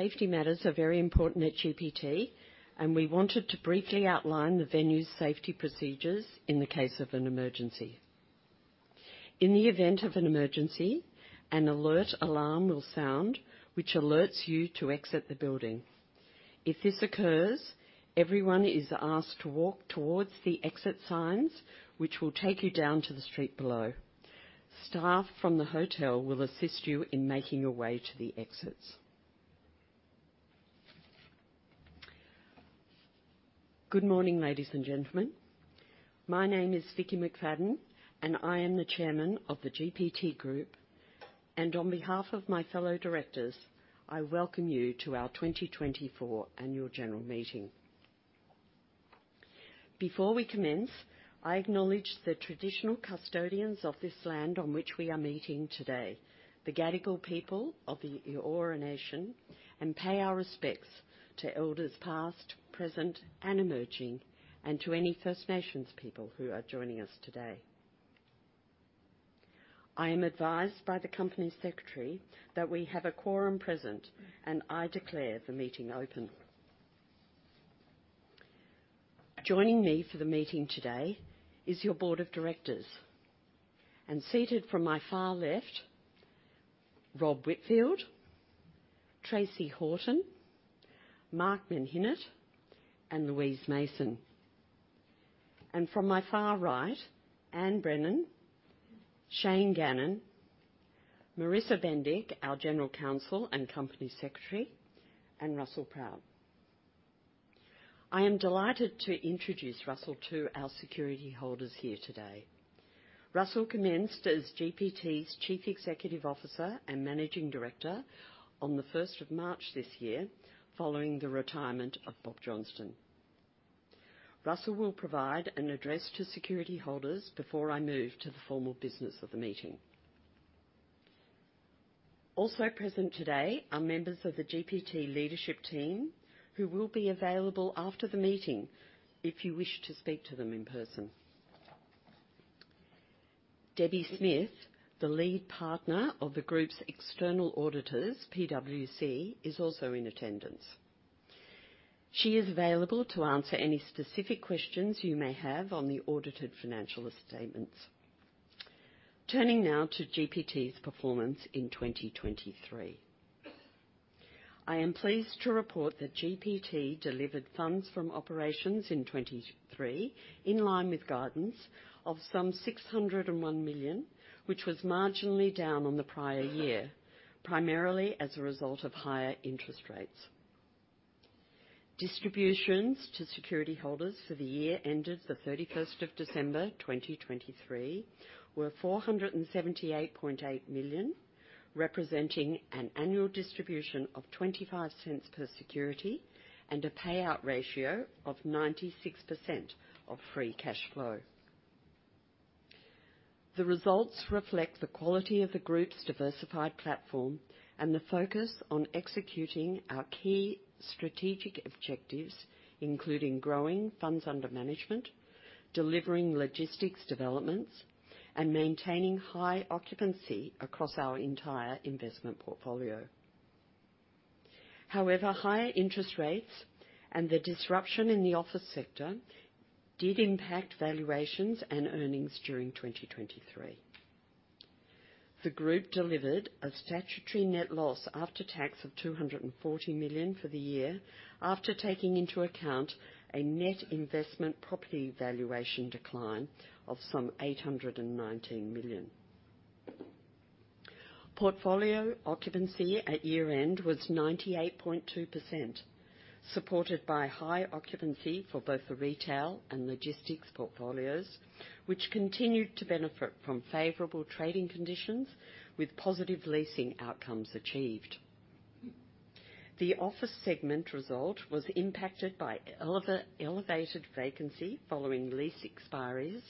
Safety matters are very important at GPT, and we wanted to briefly outline the venue's safety procedures in the case of an emergency. In the event of an emergency, an alert alarm will sound, which alerts you to exit the building. If this occurs, everyone is asked to walk towards the exit signs, which will take you down to the street below. Staff from the hotel will assist you in making your way to the exits. Good morning, ladies and gentlemen. My name is Vickki McFadden, and I am the Chairman of the GPT Group, and on behalf of my fellow directors, I welcome you to our 2024 annual general meeting. Before we commence, I acknowledge the traditional custodians of this land on which we are meeting today, the Gadigal people of the Eora Nation, and pay our respects to elders past, present, and emerging, and to any First Nations people who are joining us today. I am advised by the company's secretary that we have a quorum present, and I declare the meeting open. Joining me for the meeting today is your board of directors, and seated from my far left: Rob Whitfield, Tracey Horton, Mark Menhinnitt, and Louise Mason. And from my far right: Anne Brennan, Shane Gannon, Marissa Bendyk, our General Counsel and Company Secretary, and Russell Proutt. I am delighted to introduce Russell to our security holders here today. Russell commenced as GPT's Chief Executive Officer and Managing Director on the 1st of March this year, following the retirement of Bob Johnston. Russell will provide an address to security holders before I move to the formal business of the meeting. Also present today are members of the GPT leadership team, who will be available after the meeting if you wish to speak to them in person. Debbie Smith, the lead partner of the group's external auditors, PwC, is also in attendance. She is available to answer any specific questions you may have on the audited financial statements. Turning now to GPT's performance in 2023. I am pleased to report that GPT delivered funds from operations in 2023 in line with guidance of some 601 million, which was marginally down on the prior year, primarily as a result of higher interest rates. Distributions to security holders for the year ended the 31st of December 2023 were 478.8 million, representing an annual distribution of 0.25 per security and a payout ratio of 96% of free cash flow. The results reflect the quality of the group's diversified platform and the focus on executing our key strategic objectives, including growing funds under management, delivering logistics developments, and maintaining high occupancy across our entire investment portfolio. However, higher interest rates and the disruption in the office sector did impact valuations and earnings during 2023. The group delivered a statutory net loss after tax of 240 million for the year, after taking into account a net investment property valuation decline of some 819 million. Portfolio occupancy at year-end was 98.2%, supported by high occupancy for both the retail and logistics portfolios, which continued to benefit from favorable trading conditions with positive leasing outcomes achieved. The office segment result was impacted by elevated vacancy following lease expiries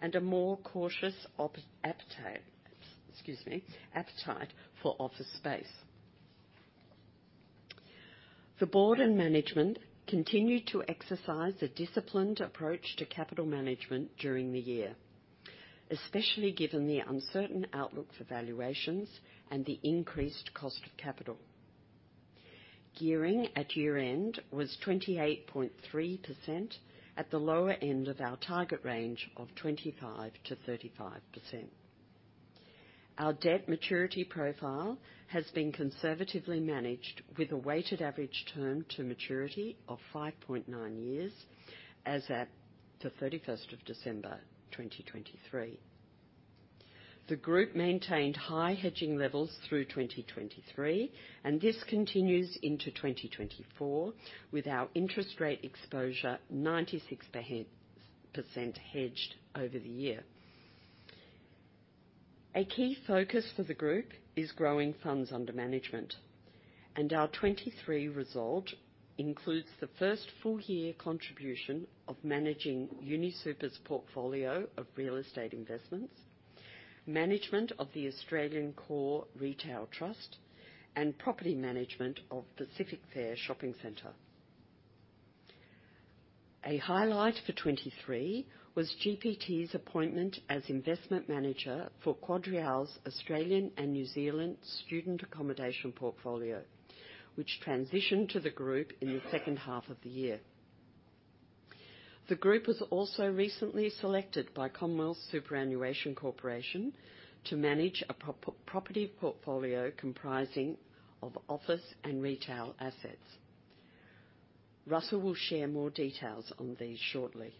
and a more cautious appetite for office space. The board and management continued to exercise a disciplined approach to capital management during the year, especially given the uncertain outlook for valuations and the increased cost of capital. Gearing at year-end was 28.3% at the lower end of our target range of 25%-35%. Our debt maturity profile has been conservatively managed with a weighted average term to maturity of 5.9 years as of the 31st of December 2023. The group maintained high hedging levels through 2023, and this continues into 2024 with our interest rate exposure 96% hedged over the year. A key focus for the group is growing funds under management, and our 2023 result includes the first full-year contribution of managing UniSuper's portfolio of real estate investments, management of the Australian Core Retail Trust, and property management of Pacific Fair Shopping Centre. A highlight for 2023 was GPT's appointment as investment manager for QuadReal's Australian and New Zealand student accommodation portfolio, which transitioned to the group in the second half of the year. The group was also recently selected by Commonwealth Superannuation Corporation to manage a property portfolio comprising of office and retail assets. Russell will share more details on these shortly.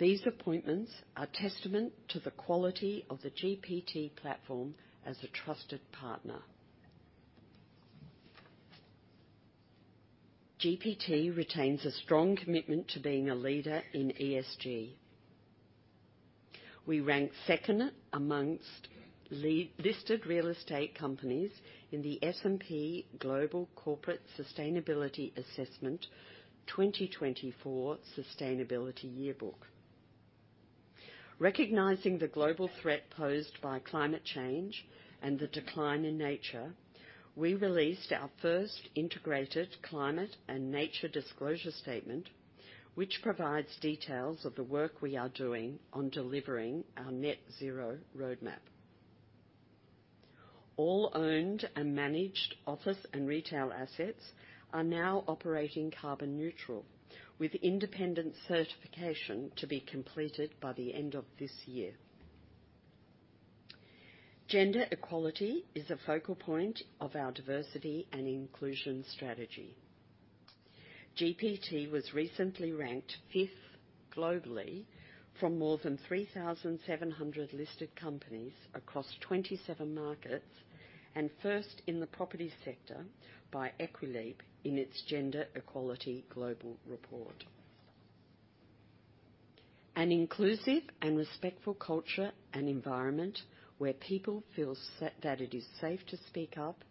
These appointments are testament to the quality of the GPT platform as a trusted partner. GPT retains a strong commitment to being a leader in ESG. We ranked second amongst listed real estate companies in the S&P Global Corporate Sustainability Assessment 2024 Sustainability Yearbook. Recognizing the global threat posed by climate change and the decline in nature, we released our first integrated climate and nature disclosure statement, which provides details of the work we are doing on delivering our net-zero roadmap. All owned and managed office and retail assets are now operating carbon-neutral, with independent certification to be completed by the end of this year. Gender equality is a focal point of our diversity and inclusion strategy. GPT was recently ranked 5th globally from more than 3,700 listed companies across 27 markets and first in the property sector by Equileap in its Gender Equality Global Report. An inclusive and respectful culture and environment where people feel that it is safe to speak up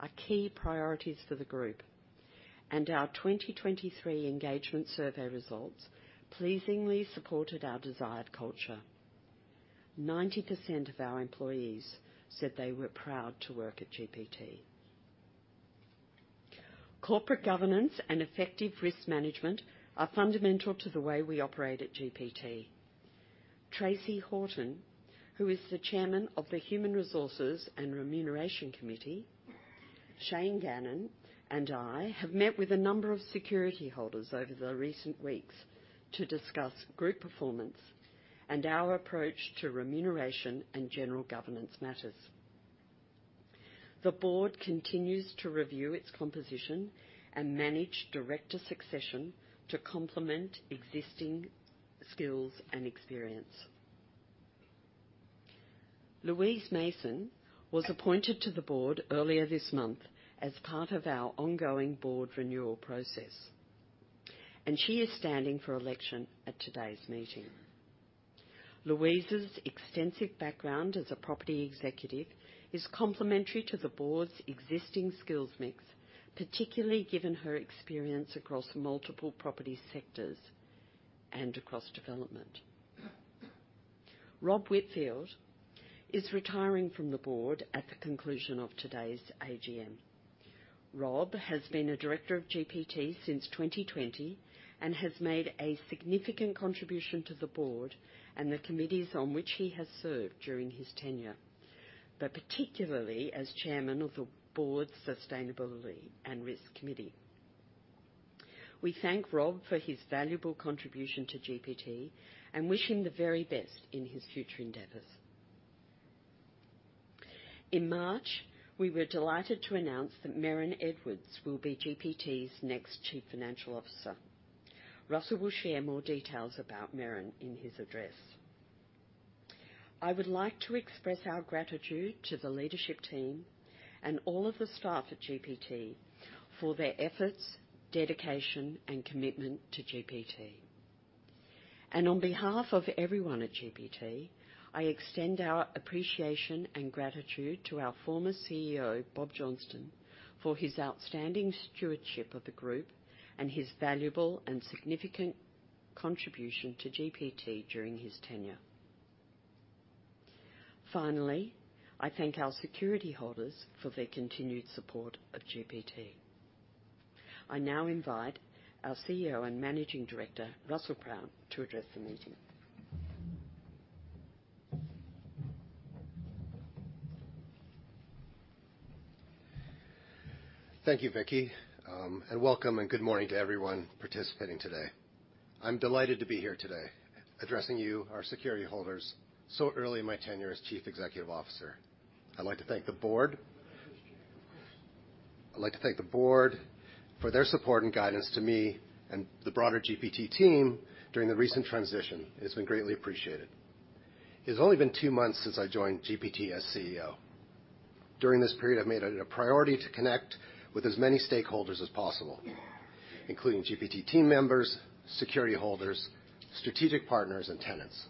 are key priorities for the group, and our 2023 engagement survey results pleasingly supported our desired culture. 90% of our employees said they were proud to work at GPT. Corporate governance and effective risk management are fundamental to the way we operate at GPT. Tracey Horton, who is the Chairman of the Human Resources and Remuneration Committee, Shane Gannon, and I have met with a number of security holders over the recent weeks to discuss group performance and our approach to remuneration and general governance matters. The board continues to review its composition and manage director succession to complement existing skills and experience. Louise Mason was appointed to the board earlier this month as part of our ongoing board renewal process, and she is standing for election at today's meeting. Louise's extensive background as a property executive is complementary to the board's existing skills mix, particularly given her experience across multiple property sectors and across development. Rob Whitfield is retiring from the board at the conclusion of today's AGM. Rob has been a Director of GPT since 2020 and has made a significant contribution to the board and the committees on which he has served during his tenure, but particularly as chairman of the board's Sustainability and Risk Committee. We thank Rob for his valuable contribution to GPT and wish him the very best in his future endeavors. In March, we were delighted to announce that Merran Edwards will be GPT's next Chief Financial Officer. Russell will share more details about Merran in his address. I would like to express our gratitude to the leadership team and all of the staff at GPT for their efforts, dedication, and commitment to GPT. On behalf of everyone at GPT, I extend our appreciation and gratitude to our former CEO, Bob Johnston, for his outstanding stewardship of the group and his valuable and significant contribution to GPT during his tenure. Finally, I thank our security holders for their continued support of GPT. I now invite our CEO and Managing Director, Russell Proutt, to address the meeting. Thank you, Vickki. Welcome and good morning to everyone participating today. I'm delighted to be here today addressing you, our security holders, so early in my tenure as chief executive officer. I'd like to thank the board. I'd like to thank the board for their support and guidance to me and the broader GPT team during the recent transition. It's been greatly appreciated. It's only been two months since I joined GPT as CEO. During this period, I've made it a priority to connect with as many stakeholders as possible, including GPT team members, security holders, strategic partners, and tenants.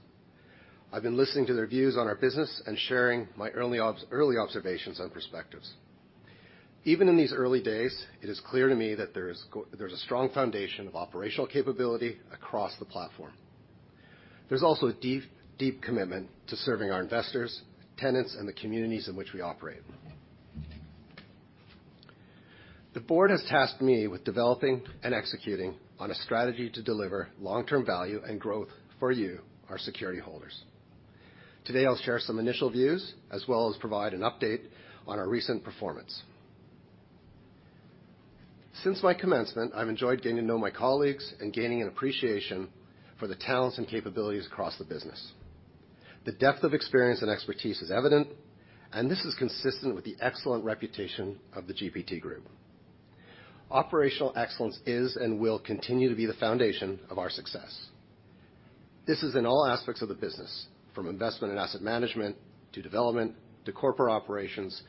I've been listening to their views on our business and sharing my early observations and perspectives. Even in these early days, it is clear to me that there's a strong foundation of operational capability across the platform. There's also a deep commitment to serving our investors, tenants, and the communities in which we operate. The board has tasked me with developing and executing on a strategy to deliver long-term value and growth for you, our security holders. Today, I'll share some initial views as well as provide an update on our recent performance. Since my commencement, I've enjoyed getting to know my colleagues and gaining an appreciation for the talents and capabilities across the business. The depth of experience and expertise is evident, and this is consistent with the excellent reputation of the GPT Group. Operational excellence is and will continue to be the foundation of our success. This is in all aspects of the business, from investment and asset management to development to corporate operations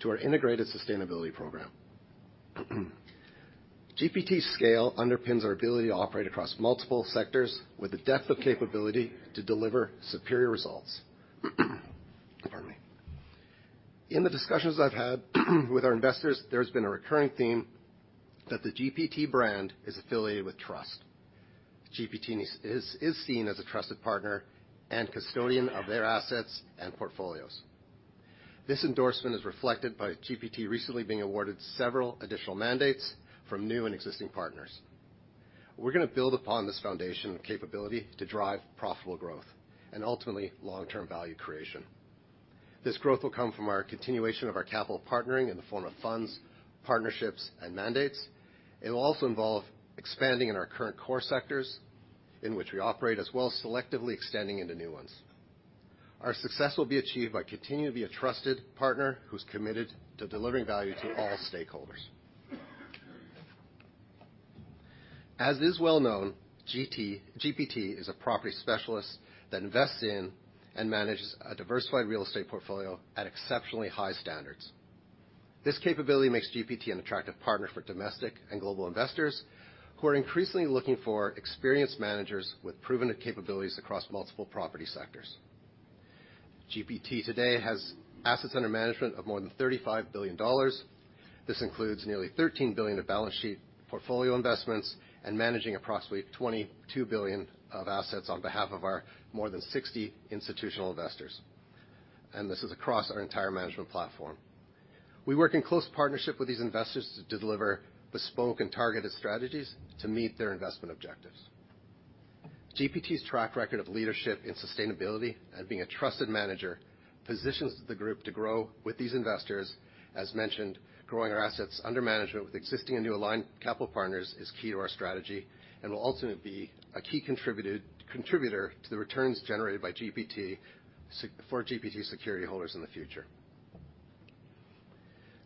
to our integrated sustainability program. GPT's scale underpins our ability to operate across multiple sectors with the depth of capability to deliver superior results. Pardon me. In the discussions I've had with our investors, there's been a recurring theme that the GPT brand is affiliated with trust. GPT is seen as a trusted partner and custodian of their assets and portfolios. This endorsement is reflected by GPT recently being awarded several additional mandates from new and existing partners. We're going to build upon this foundation and capability to drive profitable growth and ultimately long-term value creation. This growth will come from our continuation of our capital partnering in the form of funds, partnerships, and mandates. It will also involve expanding in our current core sectors in which we operate as well as selectively extending into new ones. Our success will be achieved by continuing to be a trusted partner who's committed to delivering value to all stakeholders. As is well known, GPT is a property specialist that invests in and manages a diversified real estate portfolio at exceptionally high standards. This capability makes GPT an attractive partner for domestic and global investors who are increasingly looking for experienced managers with proven capabilities across multiple property sectors. GPT today has assets under management of more than 35 billion dollars. This includes nearly 13 billion of balance sheet portfolio investments and managing approximately 22 billion of assets on behalf of our more than 60 institutional investors. And this is across our entire management platform. We work in close partnership with these investors to deliver bespoke and targeted strategies to meet their investment objectives. GPT's track record of leadership in sustainability and being a trusted manager positions the group to grow with these investors. As mentioned, growing our assets under management with existing and new aligned capital partners is key to our strategy and will ultimately be a key contributor to the returns generated by GPT for GPT security holders in the future.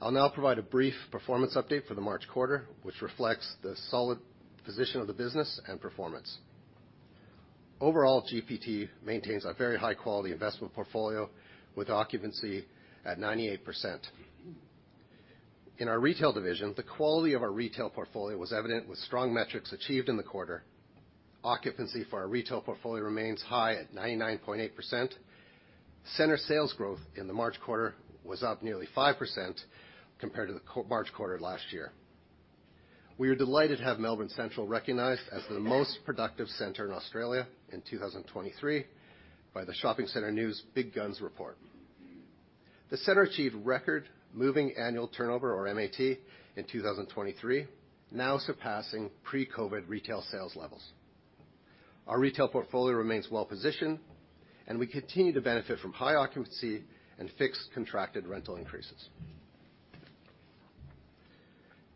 I'll now provide a brief performance update for the March quarter, which reflects the solid position of the business and performance. Overall, GPT maintains a very high-quality investment portfolio with occupancy at 98%. In our retail division, the quality of our retail portfolio was evident with strong metrics achieved in the quarter. Occupancy for our retail portfolio remains high at 99.8%. Center sales growth in the March quarter was up nearly 5% compared to the March quarter last year. We are delighted to have Melbourne Central recognized as the most productive center in Australia in 2023 by the Shopping Centre News Big Guns report. The center achieved record moving annual turnover, or MAT, in 2023, now surpassing pre-COVID retail sales levels. Our retail portfolio remains well-positioned, and we continue to benefit from high occupancy and fixed contracted rental increases.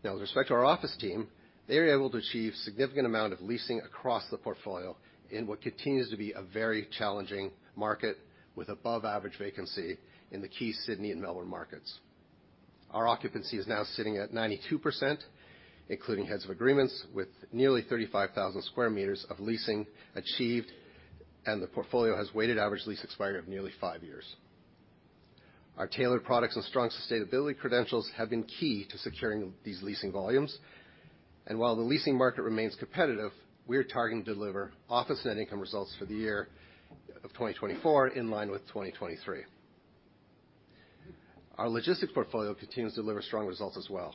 Now, with respect to our office team, they are able to achieve a significant amount of leasing across the portfolio in what continues to be a very challenging market with above-average vacancy in the key Sydney and Melbourne markets. Our occupancy is now sitting at 92%, including heads of agreements, with nearly 35,000 square meters of leasing achieved, and the portfolio has weighted average lease expiry of nearly five years. Our tailored products and strong sustainability credentials have been key to securing these leasing volumes. While the leasing market remains competitive, we are targeting to deliver office net income results for the year of 2024 in line with 2023. Our logistics portfolio continues to deliver strong results as well.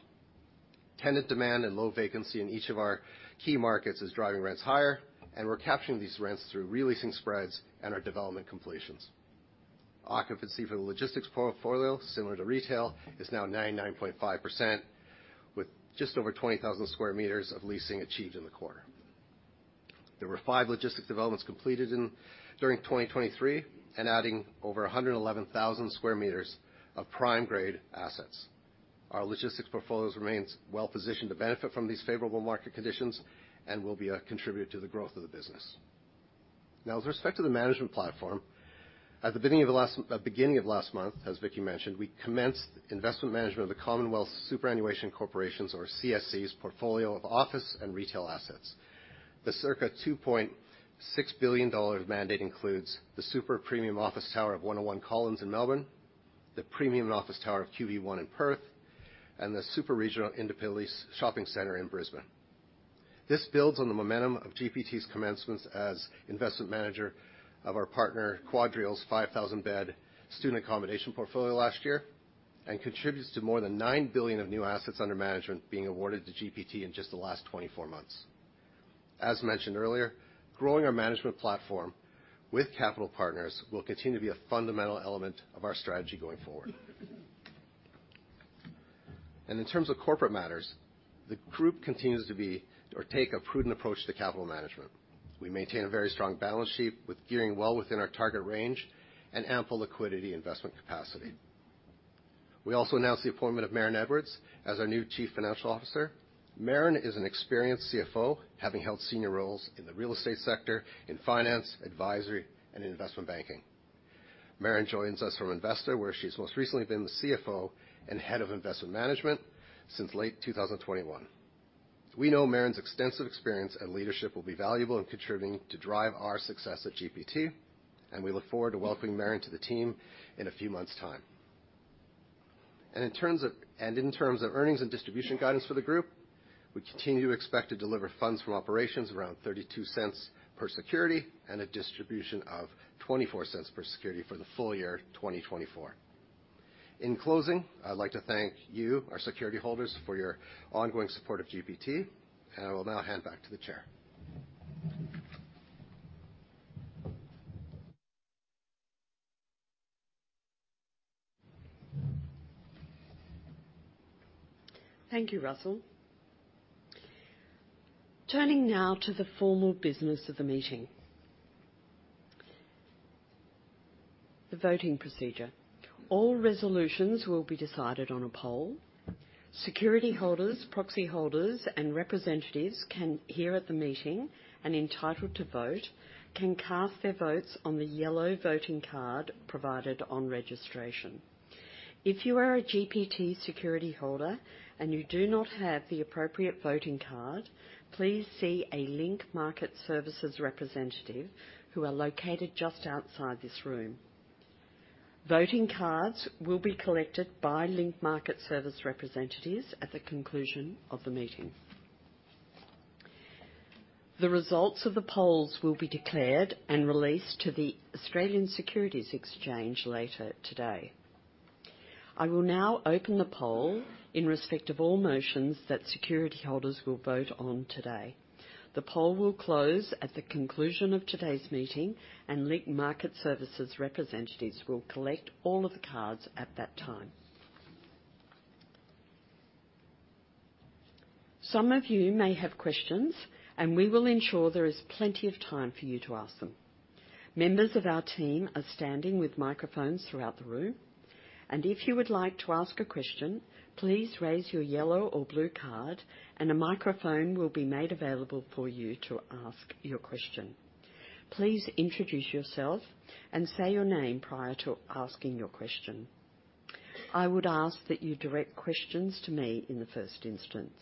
Tenant demand and low vacancy in each of our key markets is driving rents higher, and we're capturing these rents through re-leasing spreads and our development completions. Occupancy for the logistics portfolio, similar to retail, is now 99.5%, with just over 20,000 square meters of leasing achieved in the quarter. There were five logistics developments completed during 2023 and adding over 111,000 square meters of prime-grade assets. Our logistics portfolio remains well-positioned to benefit from these favorable market conditions and will be a contributor to the growth of the business. Now, with respect to the management platform, at the beginning of last month, as Vickki mentioned, we commenced investment management of the Commonwealth Superannuation Corporation's, or CSC's, portfolio of office and retail assets. The circa 2.6 billion dollars mandate includes the Super Premium office tower of 101 Collins in Melbourne, the premium office tower of QV1 in Perth, and the Super Regional independently leased shopping center in Brisbane. This builds on the momentum of GPT's commencement as investment manager of our partner QuadReal's 5,000-bed student accommodation portfolio last year and contributes to more than 9 billion of new assets under management being awarded to GPT in just the last 24 months. As mentioned earlier, growing our management platform with capital partners will continue to be a fundamental element of our strategy going forward. In terms of corporate matters, the group continues to take a prudent approach to capital management. We maintain a very strong balance sheet with gearing well within our target range and ample liquidity investment capacity. We also announced the appointment of Merran Edwards as our new Chief Financial Officer. Merran is an experienced CFO, having held senior roles in the real estate sector, in finance, advisory, and in investment banking. Merran joins us from Investa, where she's most recently been the CFO and head of investment management since late 2021. We know Merran's extensive experience and leadership will be valuable in contributing to drive our success at GPT, and we look forward to welcoming Merran to the team in a few months' time. In terms of earnings and distribution guidance for the group, we continue to expect to deliver funds from operations around 0.32 per security and a distribution of 0.24 per security for the full year 2024. In closing, I'd like to thank you, our security holders, for your ongoing support of GPT. I will now hand back to the chair. Thank you, Russell. Turning now to the formal business of the meeting, the voting procedure. All resolutions will be decided on a poll. Security holders, proxy holders, and representatives can hear at the meeting and, entitled to vote, can cast their votes on the yellow voting card provided on registration. If you are a GPT security holder and you do not have the appropriate voting card, please see a Link Market Services representative who are located just outside this room. Voting cards will be collected by Link Market Services representatives at the conclusion of the meeting. The results of the polls will be declared and released to the Australian Securities Exchange later today. I will now open the poll in respect of all motions that security holders will vote on today. The poll will close at the conclusion of today's meeting, and Link Market Services representatives will collect all of the cards at that time. Some of you may have questions, and we will ensure there is plenty of time for you to ask them. Members of our team are standing with microphones throughout the room. If you would like to ask a question, please raise your yellow or blue card, and a microphone will be made available for you to ask your question. Please introduce yourself and say your name prior to asking your question. I would ask that you direct questions to me in the first instance.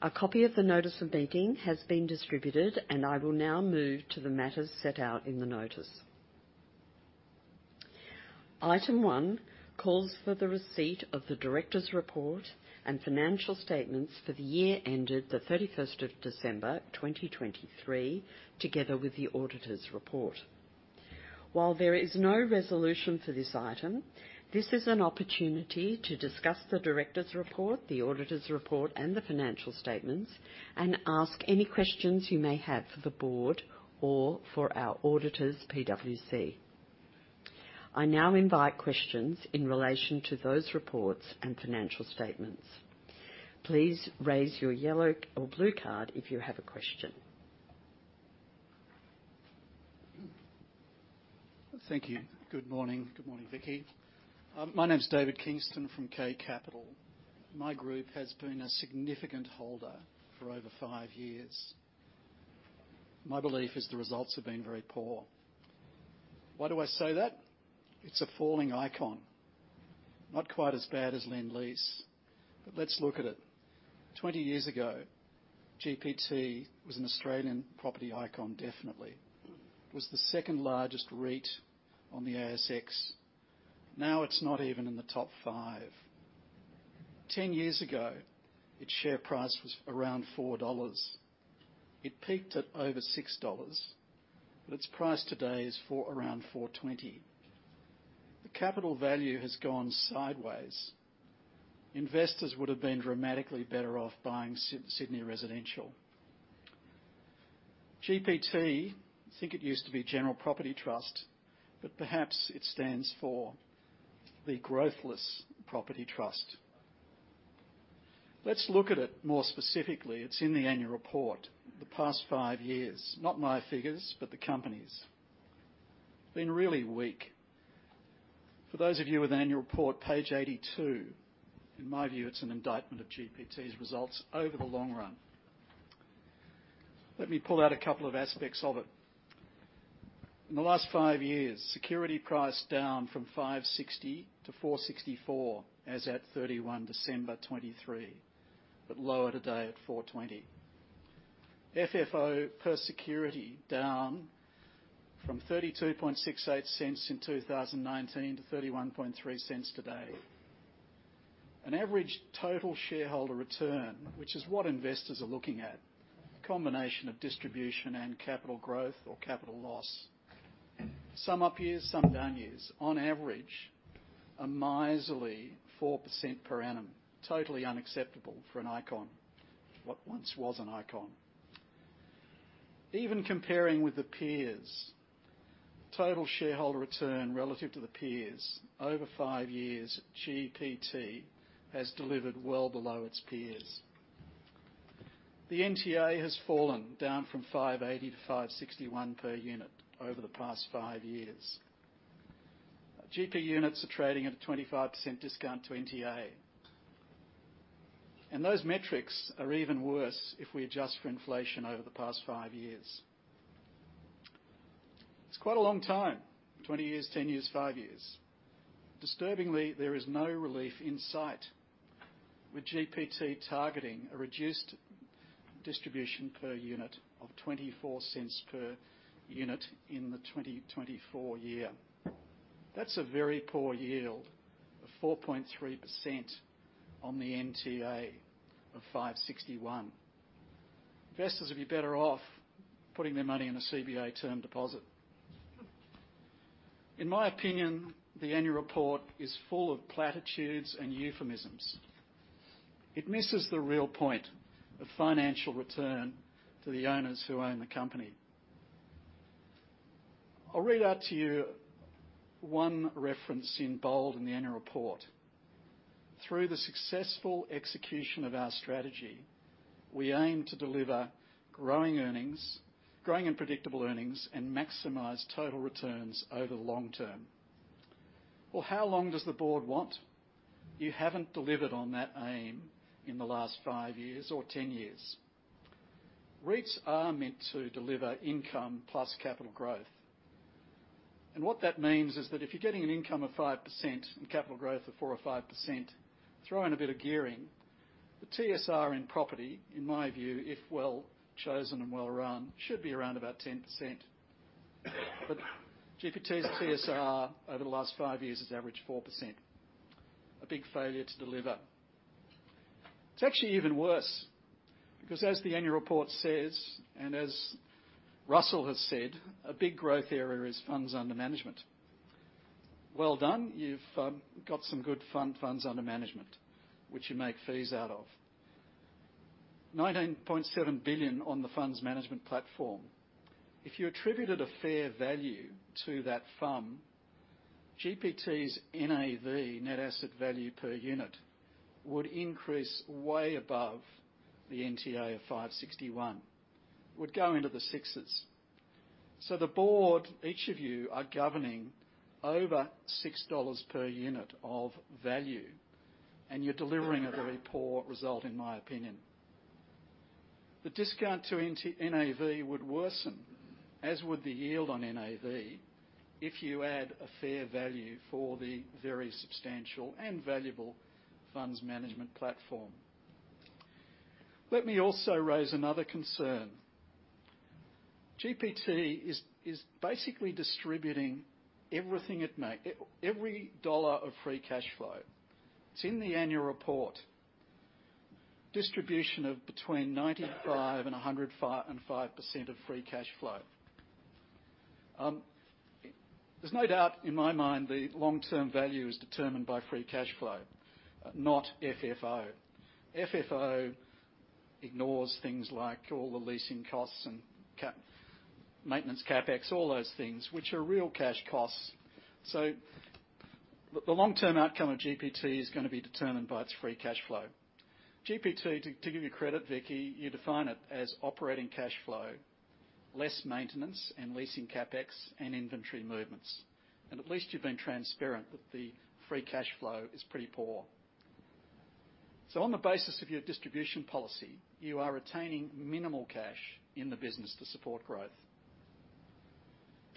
A copy of the notice of meeting has been distributed, and I will now move to the matters set out in the notice. Item 1 calls for the receipt of the director's report and financial statements for the year ended the 31st of December, 2023, together with the auditor's report. While there is no resolution for this item, this is an opportunity to discuss the director's report, the auditor's report, and the financial statements and ask any questions you may have for the board or for our auditors, PwC. I now invite questions in relation to those reports and financial statements. Please raise your yellow or blue card if you have a question. Thank you. Good morning. Good morning, Vickki. My name's David Kingston from K Capital. My group has been a significant holder for over five years. My belief is the results have been very poor. Why do I say that? It's a falling icon, not quite as bad as Lendlease. But let's look at it. 20 years ago, GPT was an Australian property icon, definitely. It was the second-largest REIT on the ASX. Now it's not even in the top five. 10 years ago, its share price was around 4 dollars. It peaked at over 6 dollars, but its price today is around 4.20. The capital value has gone sideways. Investors would have been dramatically better off buying Sydney Residential. GPT, I think it used to be General Property Trust, but perhaps it stands for the Growthless Property Trust. Let's look at it more specifically. It's in the annual report, the past five years. Not my figures, but the company's. It's been really weak. For those of you with annual report page 82, in my view, it's an indictment of GPT's results over the long run. Let me pull out a couple of aspects of it. In the last five years, security priced down from 5.60 to 4.64 as at 31 December 2023, but lower today at 4.20. FFO per security down from 0.3268 in 2019 to 0.313 today. An average total shareholder return, which is what investors are looking at, a combination of distribution and capital growth or capital loss. Some up years, some down years. On average, a miserly 4% per annum. Totally unacceptable for an icon, what once was an icon. Even comparing with the peers, total shareholder return relative to the peers over five years, GPT has delivered well below its peers. The NTA has fallen, down from 5.80 to 5.61 per unit over the past five years. GP units are trading at a 25% discount to NTA. Those metrics are even worse if we adjust for inflation over the past five years. It's quite a long time, 20 years, 10 years, five years. Disturbingly, there is no relief in sight, with GPT targeting a reduced distribution per unit of 0.24 per unit in the 2024 year. That's a very poor yield of 4.3% on the NTA of 5.61. Investors would be better off putting their money in a CBA term deposit. In my opinion, the annual report is full of platitudes and euphemisms. It misses the real point of financial return to the owners who own the company. I'll read out to you one reference in bold in the annual report. "Through the successful execution of our strategy, we aim to deliver growing and predictable earnings and maximize total returns over the long term." Well, how long does the board want? You haven't delivered on that aim in the last five years or 10 years. REITs are meant to deliver income plus capital growth. What that means is that if you're getting an income of 5% and capital growth of 4% or 5%, throw in a bit of gearing, the TSR in property, in my view, if well chosen and well run, should be around about 10%. But GPT's TSR over the last five years is average 4%. A big failure to deliver. It's actually even worse because, as the annual report says and as Russell has said, a big growth area is funds under management. Well done. You've got some good funds under management, which you make fees out of. 19.7 billion on the funds management platform. If you attributed a fair value to that fund, GPT's NAV, net asset value per unit, would increase way above the NTA of 5.61, would go into the sixes. So the board, each of you are governing over 6 dollars per unit of value, and you're delivering a very poor result, in my opinion. The discount to NAV would worsen, as would the yield on NAV, if you add a fair value for the very substantial and valuable funds management platform. Let me also raise another concern. GPT is basically distributing every dollar of free cash flow. It's in the annual report, distribution of between 95%-105% of free cash flow. There's no doubt, in my mind, the long-term value is determined by free cash flow, not FFO. FFO ignores things like all the leasing costs and maintenance CapEx, all those things, which are real cash costs. So the long-term outcome of GPT is going to be determined by its free cash flow. GPT, to give you credit, Vickki, you define it as operating cash flow, less maintenance and leasing CapEx and inventory movements. And at least you've been transparent that the free cash flow is pretty poor. So on the basis of your distribution policy, you are retaining minimal cash in the business to support growth.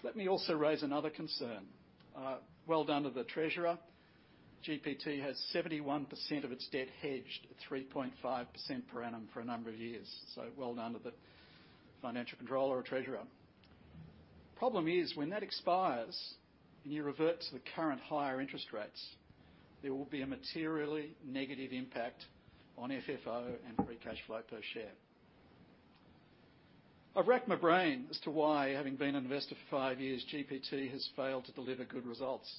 Let me also raise another concern. Well done to the treasurer. GPT has 71% of its debt hedged at 3.5% per annum for a number of years. So well done to the financial controller or treasurer. The problem is, when that expires and you revert to the current higher interest rates, there will be a materially negative impact on FFO and free cash flow per share. I've wracked my brain as to why, having been an investor for five years, GPT has failed to deliver good results.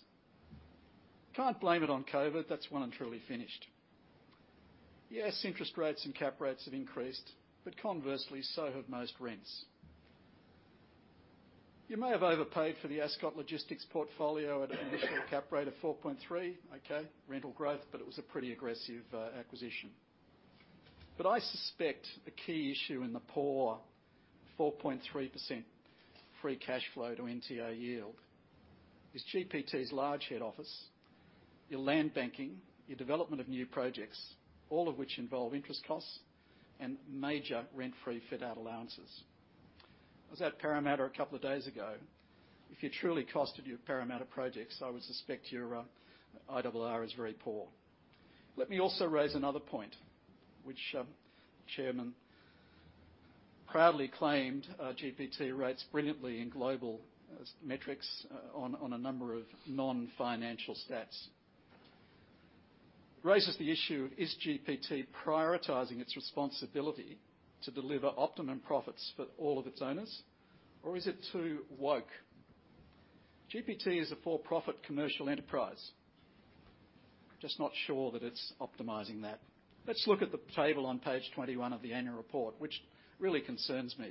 Can't blame it on COVID. That's one and truly finished. Yes, interest rates and cap rates have increased, but conversely, so have most rents. You may have overpaid for the asset Logistics portfolio at an initial cap rate of 4.3. Okay, rental growth, but it was a pretty aggressive acquisition. But I suspect a key issue in the poor 4.3% free cash flow to NTA yield is GPT's large head office, your land banking, your development of new projects, all of which involve interest costs and major rent-free fit-out allowances. I was at Parramatta a couple of days ago. If you truly costed your Parramatta projects, I would suspect your IRR is very poor. Let me also raise another point, which the chairman proudly claimed GPT rates brilliantly in global metrics on a number of non-financial stats. It raises the issue, is GPT prioritising its responsibility to deliver optimum profits for all of its owners, or is it too woke? GPT is a for-profit commercial enterprise. Just not sure that it's optimising that. Let's look at the table on page 21 of the annual report, which really concerns me.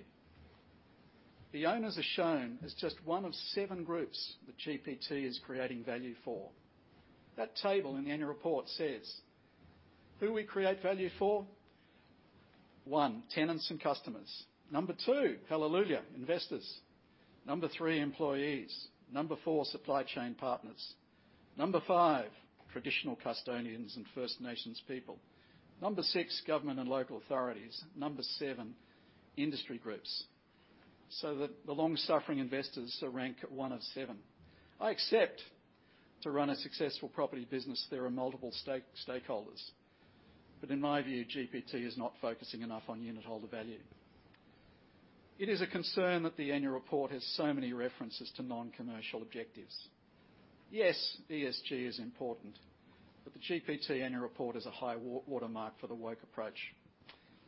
The owners are shown as just one of seven groups that GPT is creating value for. That table in the annual report says, "Who do we create value for?" One, tenants and customers. Number two, hallelujah, investors. Number three, employees. Number four, supply chain partners. Number five, traditional custodians and First Nations people. Number six, government and local authorities. Number seven, industry groups. So the long-suffering investors are ranked at one of seven. I accept to run a successful property business, there are multiple stakeholders. But in my view, GPT is not focusing enough on unit holder value. It is a concern that the annual report has so many references to non-commercial objectives. Yes, ESG is important, but the GPT annual report is a high watermark for the woke approach,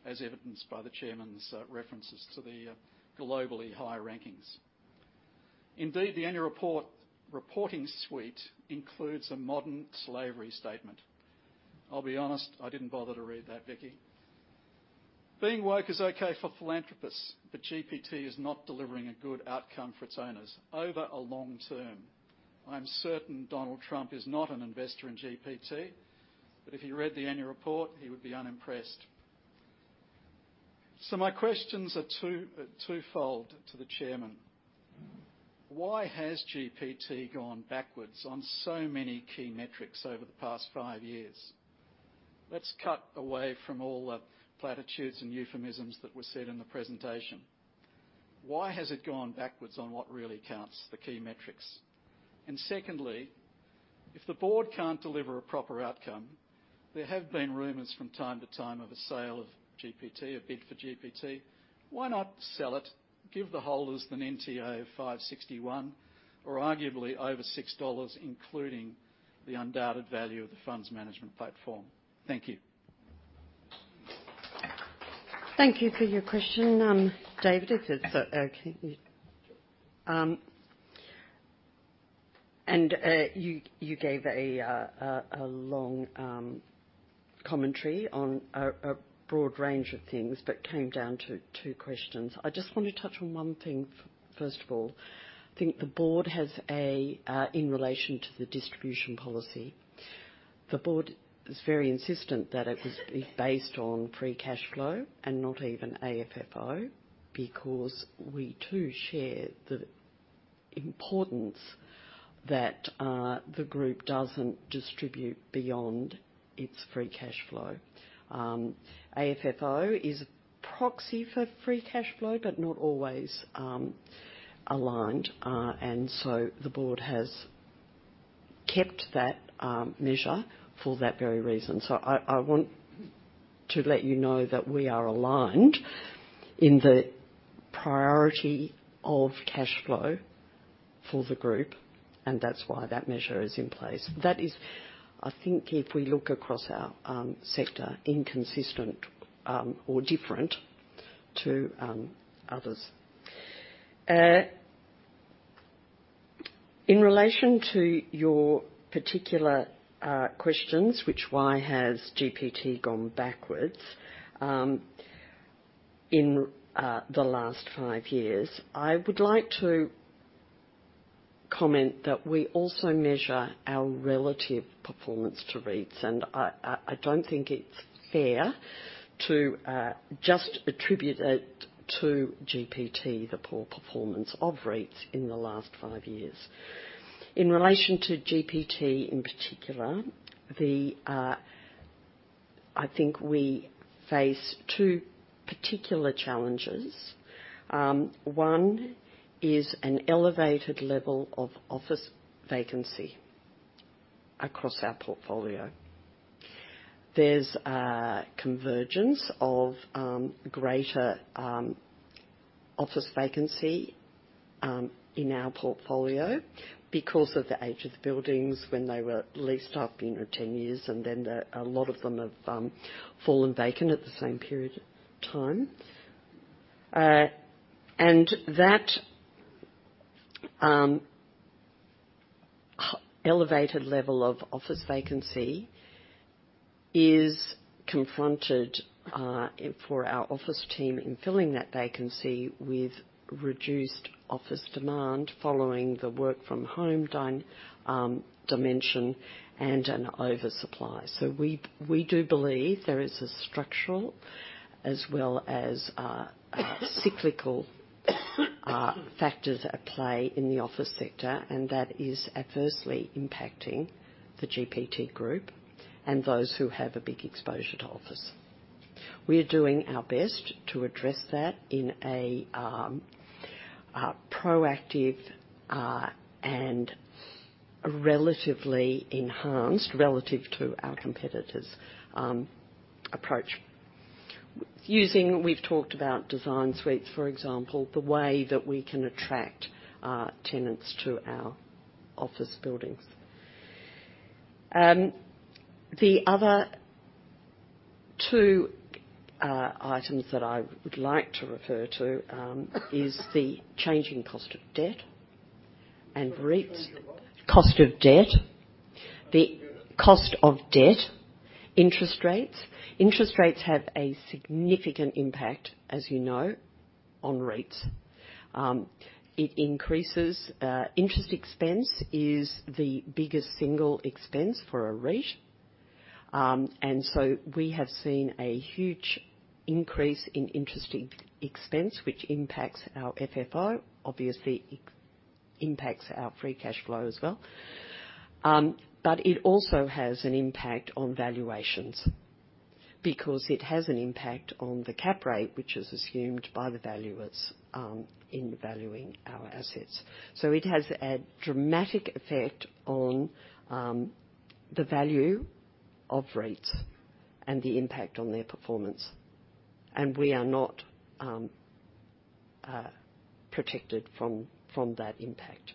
as evidenced by the chairman's references to the globally high rankings. Indeed, the annual report reporting suite includes a modern slavery statement. I'll be honest, I didn't bother to read that, Vickki. "Being woke is okay for philanthropists, but GPT is not delivering a good outcome for its owners over a long term. I am certain Donald Trump is not an investor in GPT, but if he read the annual report, he would be unimpressed. So my questions are twofold to the chairman. Why has GPT gone backwards on so many key metrics over the past five years? Let's cut away from all the platitudes and euphemisms that were said in the presentation. Why has it gone backwards on what really counts, the key metrics? And secondly, if the board can't deliver a proper outcome, there have been rumours from time to time of a sale of GPT, a bid for GPT. Why not sell it, give the holders the NTA of 5.61 or arguably over 6 dollars, including the undoubted value of the funds management platform? Thank you. Thank you for your question, David. You gave a long commentary on a broad range of things but came down to two questions. I just want to touch on one thing, first of all. I think the board has a in relation to the distribution policy, the board is very insistent that it was based on free cash flow and not even AFFO because we, too, share the importance that the group doesn't distribute beyond its free cash flow. AFFO is a proxy for free cash flow but not always aligned. And so the board has kept that measure for that very reason. So I want to let you know that we are aligned in the priority of cash flow for the group, and that's why that measure is in place. That is, I think, if we look across our sector, inconsistent or different to others. In relation to your particular questions, which why has GPT gone backwards in the last five years, I would like to comment that we also measure our relative performance to REITs. I don't think it's fair to just attribute it to GPT, the poor performance of REITs in the last five years. In relation to GPT in particular, I think we face two particular challenges. One is an elevated level of office vacancy across our portfolio. There's a convergence of greater office vacancy in our portfolio because of the age of the buildings when they were leased up, you know, 10 years, and then a lot of them have fallen vacant at the same period of time. That elevated level of office vacancy is confronted, for our office team in filling that vacancy, with reduced office demand following the work-from-home dimension and an oversupply. So we do believe there is a structural as well as cyclical factors at play in the office sector, and that is adversely impacting the GPT Group and those who have a big exposure to office. We are doing our best to address that in a proactive and relatively enhanced, relative to our competitors, approach. We've talked about design suites, for example, the way that we can attract tenants to our office buildings. The other two items that I would like to refer to is the changing cost of debt and REITs. Cost of debt, the cost of debt, interest rates. Interest rates have a significant impact, as you know, on REITs. Interest expense is the biggest single expense for a REIT. So we have seen a huge increase in interest expense, which impacts our FFO, obviously impacts our free cash flow as well. But it also has an impact on valuations because it has an impact on the Cap Rate, which is assumed by the valuers in valuing our assets. So it has a dramatic effect on the value of REITs and the impact on their performance. We are not protected from that impact.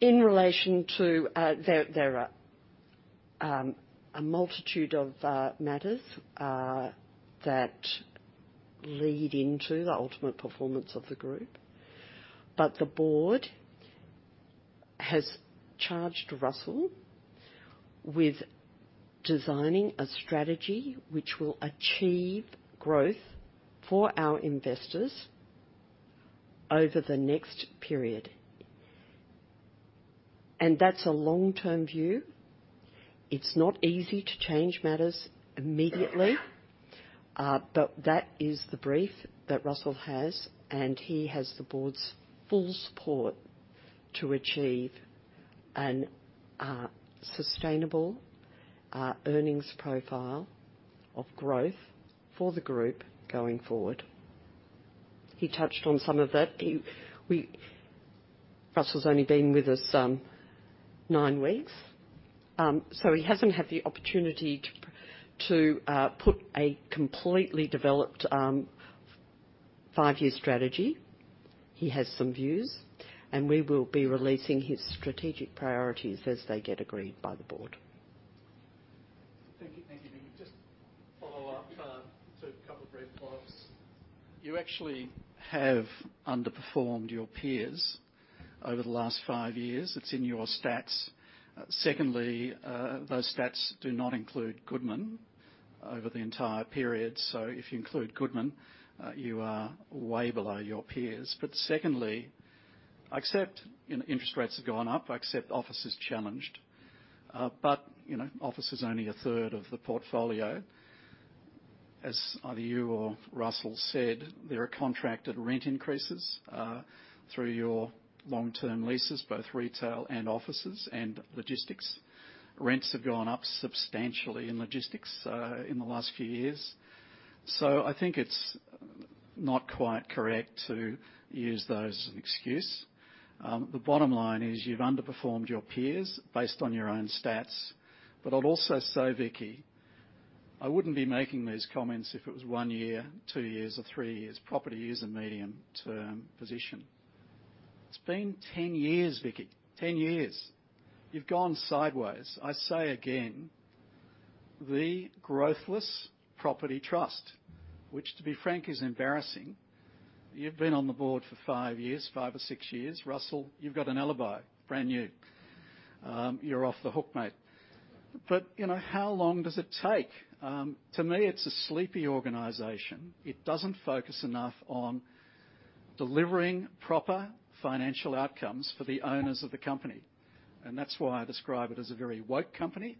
In relation to, there are a multitude of matters that lead into the ultimate performance of the group. But the board has charged Russell with designing a strategy which will achieve growth for our investors over the next period. That's a long-term view. It's not easy to change matters immediately, but that is the brief that Russell has. He has the board's full support to achieve a sustainable earnings profile of growth for the group going forward. He touched on some of that. Russell's only been with us nine weeks, so he hasn't had the opportunity to put a completely developed five-year strategy. He has some views, and we will be releasing his strategic priorities as they get agreed by the board. Thank you. Thank you, Vickki. Just follow up to a couple of brief blocks. You actually have underperformed your peers over the last five years. It's in your stats. Secondly, those stats do not include Goodman over the entire period. So if you include Goodman, you are way below your peers. But secondly, I accept interest rates have gone up. I accept office is challenged. But office is only a third of the portfolio. As either you or Russell said, there are contracted rent increases through your long-term leases, both retail and offices and logistics. Rents have gone up substantially in logistics in the last few years. So I think it's not quite correct to use those as an excuse. The bottom line is you've underperformed your peers based on your own stats. But I'll also say, Vickki, I wouldn't be making these comments if it was one year, two years, or three years. Property is a medium-term position. It's been 10 years, Vickki. 10 years. You've gone sideways. I say again, the growthless property trust, which, to be frank, is embarrassing. You've been on the board for five years, five or six years. Russell, you've got an alibi, brand new. You're off the hook, mate. But how long does it take? To me, it's a sleepy organization. It doesn't focus enough on delivering proper financial outcomes for the owners of the company. And that's why I describe it as a very woke company,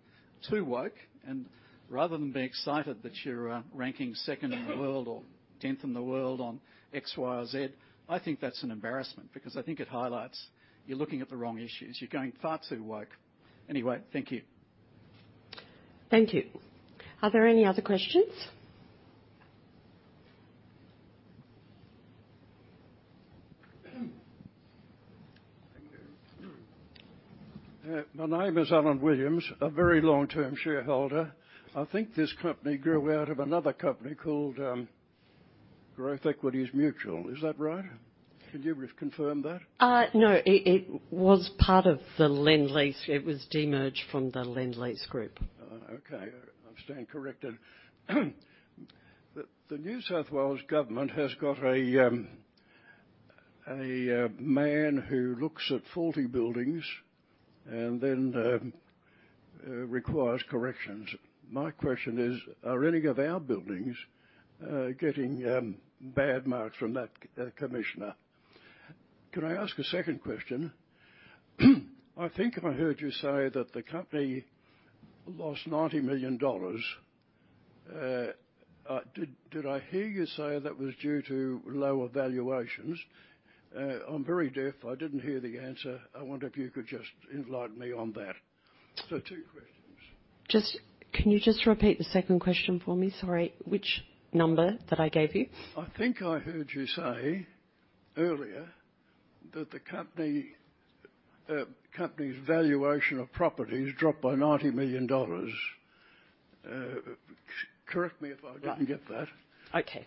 too woke. And rather than be excited that you're ranking second in the world or tenth in the world on X, Y, or Z, I think that's an embarrassment because I think it highlights you're looking at the wrong issues. You're going far too woke. Anyway, thank you. Thank you. Are there any other questions? My name is Alan Williams, a very long-term shareholder. I think this company grew out of another company called Growth Equities Mutual. Is that right? Can you confirm that? No. It was part of the Lendlease. It was demerged from the Lendlease Group. Okay. I'm standing corrected. The New South Wales government has got a man who looks at faulty buildings and then requires corrections. My question is, are any of our buildings getting bad marks from that commissioner? Can I ask a second question? I think I heard you say that the company lost 90 million dollars. Did I hear you say that was due to lower valuations? I'm very deaf. I didn't hear the answer. I wonder if you could just enlighten me on that. So two questions. Can you just repeat the second question for me? Sorry. Which number that I gave you? I think I heard you say earlier that the company's valuation of properties dropped by 90 million dollars. Correct me if I didn't get that. Right. Okay.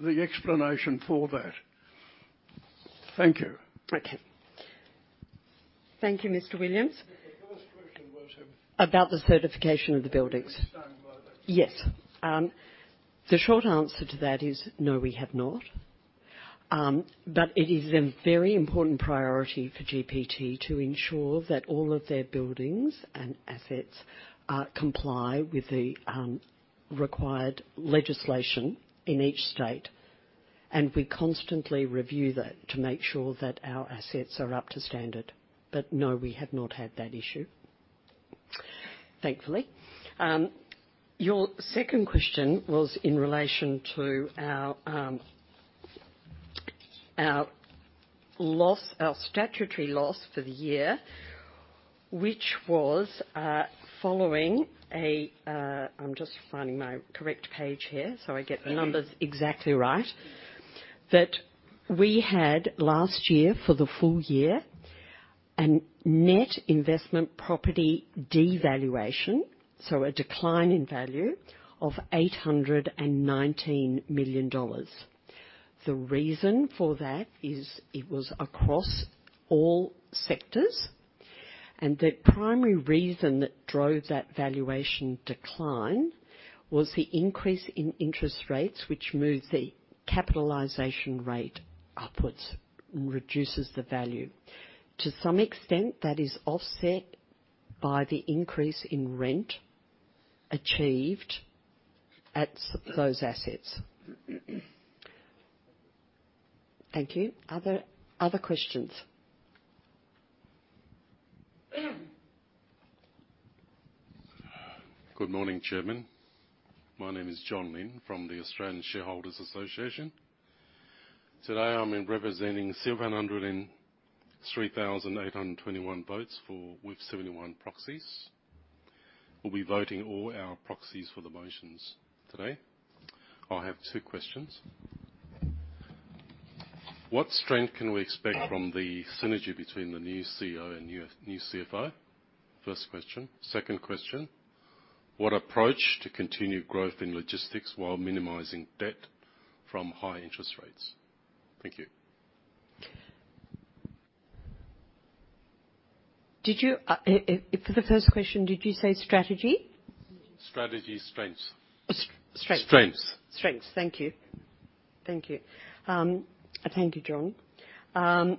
The explanation for that. Thank you. Okay. Thank you, Mr. Williams. About the certification of the buildings. We're starting by that. Yes. The short answer to that is, no, we have not. But it is a very important priority for GPT to ensure that all of their buildings and assets comply with the required legislation in each state. And we constantly review that to make sure that our assets are up to standard. But no, we have not had that issue, thankfully. Your second question was in relation to our statutory loss for the year, which was following a. I'm just finding my correct page here so I get the numbers exactly right. That we had last year, for the full year, a net investment property devaluation, so a decline in value, of 819 million dollars. The reason for that is it was across all sectors. And the primary reason that drove that valuation decline was the increase in interest rates, which moved the capitalization rate upwards and reduces the value. To some extent, that is offset by the increase in rent achieved at those assets. Thank you. Other questions? Good morning, Chairman. My name is John Lynn from the Australian Shareholders Association. Today, I'm representing 703,821 votes with 71 proxies. We'll be voting all our proxies for the motions today. I have two questions. What strength can we expect from the synergy between the new CEO and new CFO? First question. Second question. What approach to continue growth in logistics while minimizing debt from high interest rates? Thank you. For the first question, did you say strategy? Strategy, strengths. Strength. Strengths. Strengths. Thank you. Thank you. Thank you, John.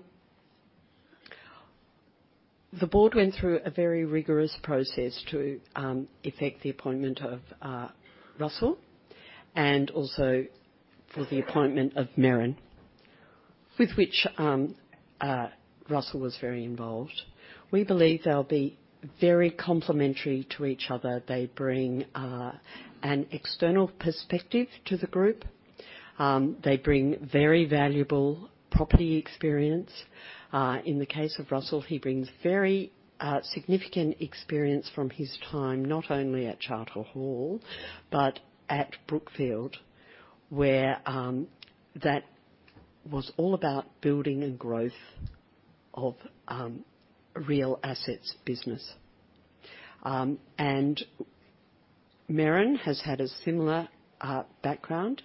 The board went through a very rigorous process to effect the appointment of Russell and also for the appointment of Merran, with which Russell was very involved. We believe they'll be very complementary to each other. They bring an external perspective to the group. They bring very valuable property experience. In the case of Russell, he brings very significant experience from his time not only at Charter Hall but at Brookfield, where that was all about building and growth of real assets business. And Merran has had a similar background.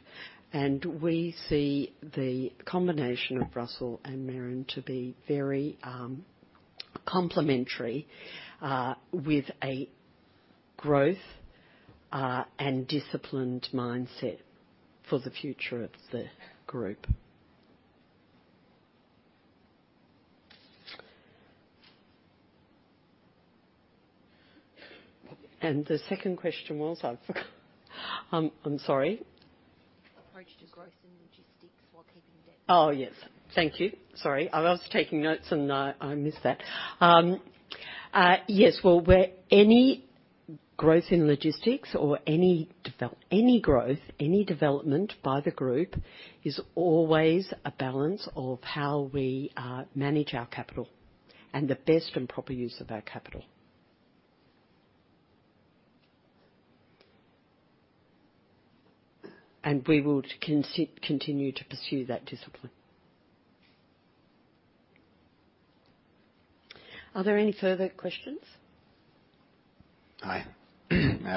And we see the combination of Russell and Merran to be very complementary with a growth and disciplined mindset for the future of the group. And the second question was, I'm sorry. Approach to growth in logistics while keeping debt. Oh, yes. Thank you. Sorry. I was taking notes, and I missed that. Yes. Well, any growth in logistics or any growth, any development by the group is always a balance of how we manage our capital and the best and proper use of our capital. And we would continue to pursue that discipline. Are there any further questions? Hi.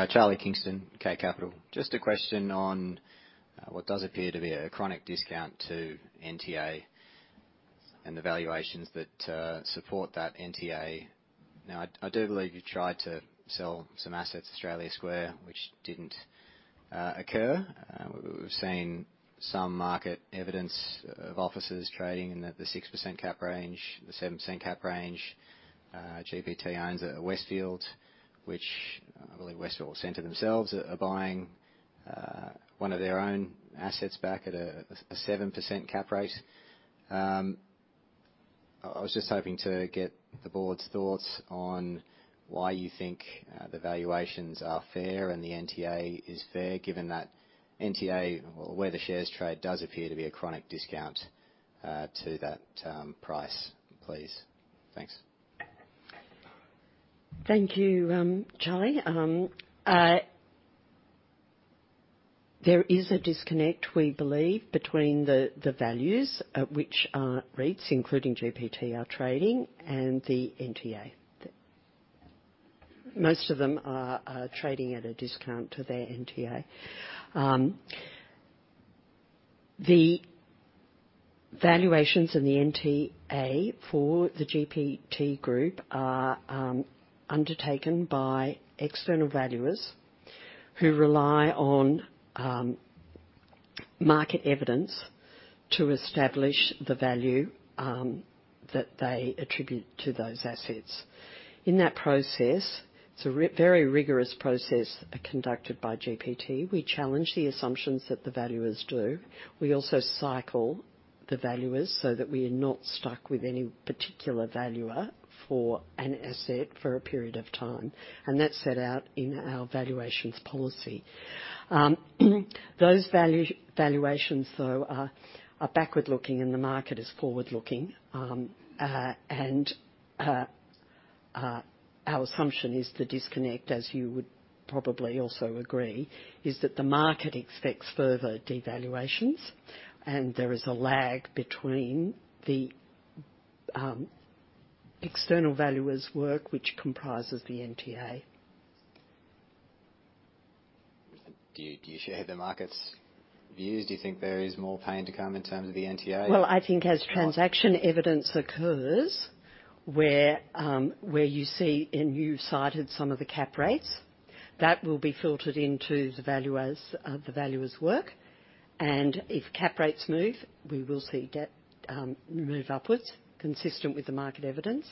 Charlie Kingston, K Capital. Just a question on what does appear to be a chronic discount to NTA and the valuations that support that NTA. Now, I do believe you tried to sell some assets to Australia Square, which didn't occur. We've seen some market evidence of offices trading in the 6% cap range, the 7% cap range. GPT owns a Westfield, which I believe Westfield Center themselves are buying one of their own assets back at a 7% cap rate. I was just hoping to get the board's thoughts on why you think the valuations are fair and the NTA is fair, given that NTA well, where the shares trade does appear to be a chronic discount to that price. Please. Thanks. Thank you, Charlie. There is a disconnect, we believe, between the values at which REITs, including GPT, are trading and the NTA. Most of them are trading at a discount to their NTA. The valuations in the NTA for the GPT Group are undertaken by external valuers who rely on market evidence to establish the value that they attribute to those assets. In that process, it's a very rigorous process conducted by GPT. We challenge the assumptions that the valuers do. We also cycle the valuers so that we are not stuck with any particular valuer for an asset for a period of time. And that's set out in our valuations policy. Those valuations, though, are backward-looking, and the market is forward-looking. Our assumption is the disconnect, as you would probably also agree, is that the market expects further devaluations. There is a lag between the external valuers' work, which comprises the NTA. Do you share the market's views? Do you think there is more pain to come in terms of the NTA? Well, I think as transaction evidence occurs, where you see and you've cited some of the cap rates, that will be filtered into the valuers' work. If cap rates move, we will see debt move upwards consistent with the market evidence.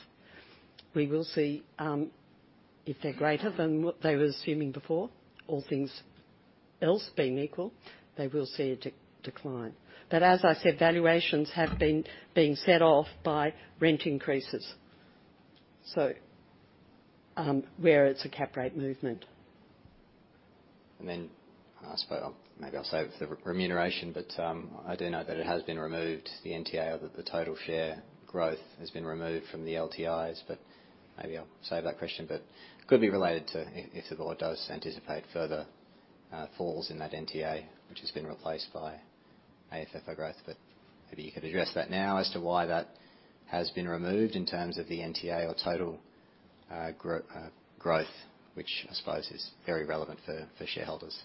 We will see, if they're greater than what they were assuming before, all things else being equal, they will see a decline. As I said, valuations have been set off by rent increases, where it's a cap rate movement. And then maybe I'll save the remuneration, but I do know that it has been removed, the NTA, or that the total share growth has been removed from the LTIs. But maybe I'll save that question. But it could be related to if the board does anticipate further falls in that NTA, which has been replaced by AFFO growth. But maybe you could address that now as to why that has been removed in terms of the NTA or total growth, which I suppose is very relevant for shareholders.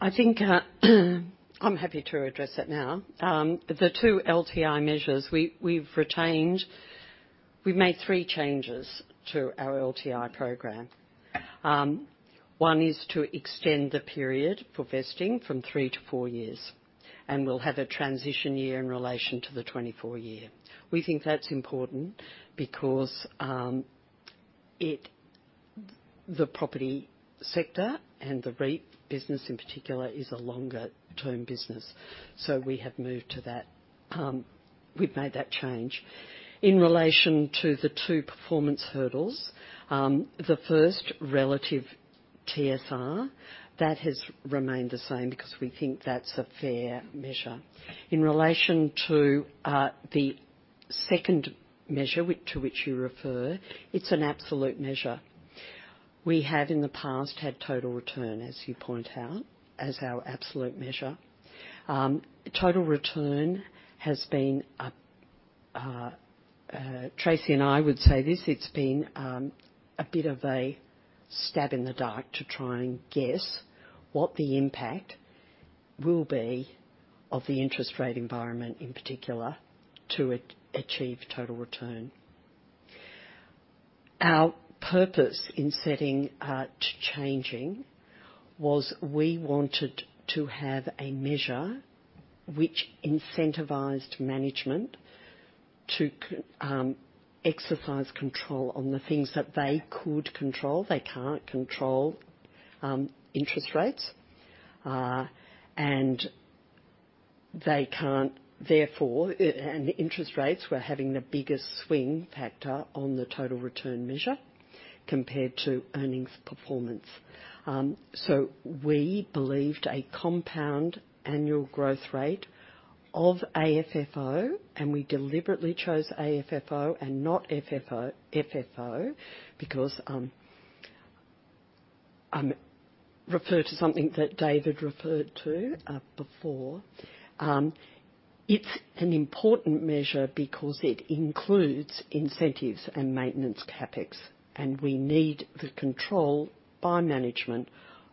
I'm happy to address that now. The two LTI measures we've retained, we've made three changes to our LTI program. One is to extend the period for vesting from three to four years. We'll have a transition year in relation to the 2024 year. We think that's important because the property sector and the REIT business in particular is a longer-term business. So we have moved to that we've made that change. In relation to the two performance hurdles, the first, relative TSR, that has remained the same because we think that's a fair measure. In relation to the second measure to which you refer, it's an absolute measure. We have, in the past, had total return, as you point out, as our absolute measure. Total return has been, Tracey and I would say, this. It's been a bit of a stab in the dark to try and guess what the impact will be of the interest rate environment in particular to achieve total return. Our purpose in setting to changing was we wanted to have a measure which incentivized management to exercise control on the things that they could control. They can't control interest rates. And therefore, interest rates were having the biggest swing factor on the total return measure compared to earnings performance. So we believed a compound annual growth rate of AFFO and we deliberately chose AFFO and not FFO because I'll refer to something that David referred to before. It's an important measure because it includes incentives and maintenance CapEx. And we need the control by management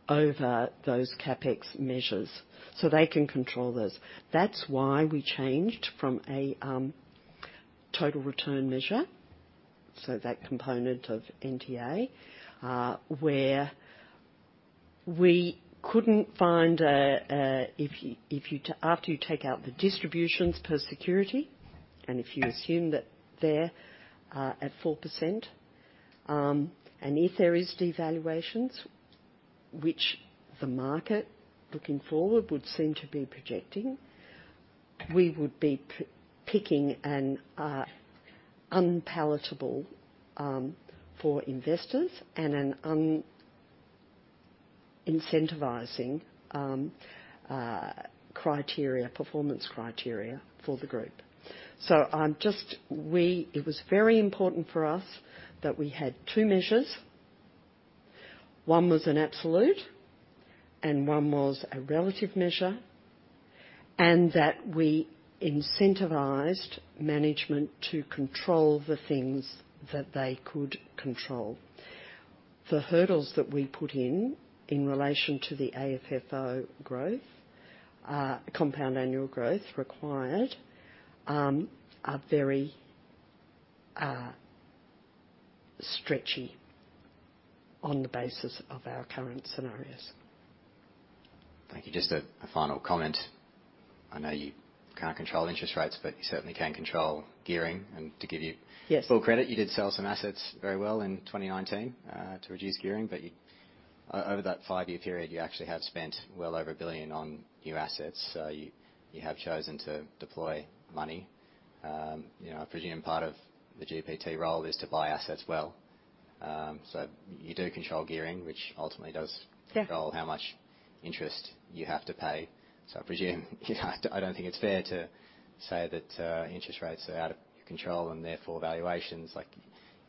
over those CapEx measures so they can control those. That's why we changed from a total return measure, so that component of NTA, where we couldn't find a after you take out the distributions per security and if you assume that they're at 4% and if there is devaluations, which the market, looking forward, would seem to be projecting, we would be picking an unpalatable for investors and an unincentivizing performance criteria for the group. So it was very important for us that we had two measures. One was an absolute, and one was a relative measure, and that we incentivized management to control the things that they could control. The hurdles that we put in in relation to the AFFO growth, compound annual growth required, are very stretchy on the basis of our current scenarios. Thank you. Just a final comment. I know you can't control interest rates, but you certainly can control gearing. And to give you full credit, you did sell some assets very well in 2019 to reduce gearing. But over that 5-year period, you actually have spent well over 1 billion on new assets. So you have chosen to deploy money. I presume part of the GPT role is to buy assets well. So you do control gearing, which ultimately does control how much interest you have to pay. So I don't think it's fair to say that interest rates are out of your control and therefore valuations.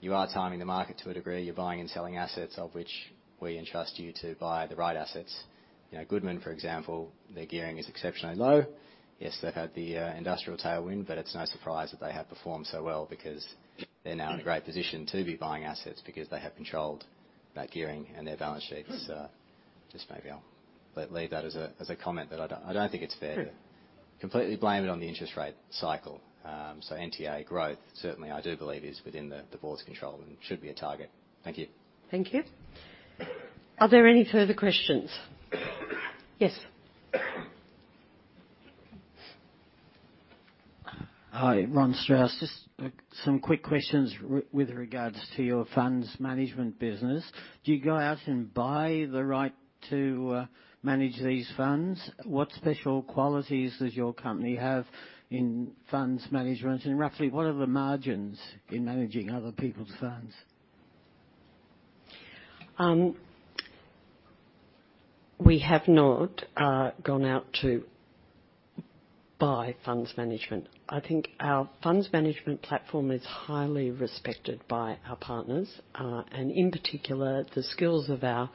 You are timing the market to a degree. You're buying and selling assets of which we entrust you to buy the right assets. Goodman, for example, their gearing is exceptionally low. Yes, they've had the industrial tailwind, but it's no surprise that they have performed so well because they're now in a great position to be buying assets because they have controlled that gearing and their balance sheets. So just maybe I'll leave that as a comment that I don't think it's fair to completely blame it on the interest rate cycle. So NTA growth, certainly, I do believe is within the board's control and should be a target. Thank you. Thank you. Are there any further questions? Yes. Hi, Ron Strauss. Just some quick questions with regards to your funds management business. Do you go out and buy the right to manage these funds? What special qualities does your company have in funds management? And roughly, what are the margins in managing other people's funds? We have not gone out to buy funds management. I think our funds management platform is highly respected by our partners and, in particular, the skills of our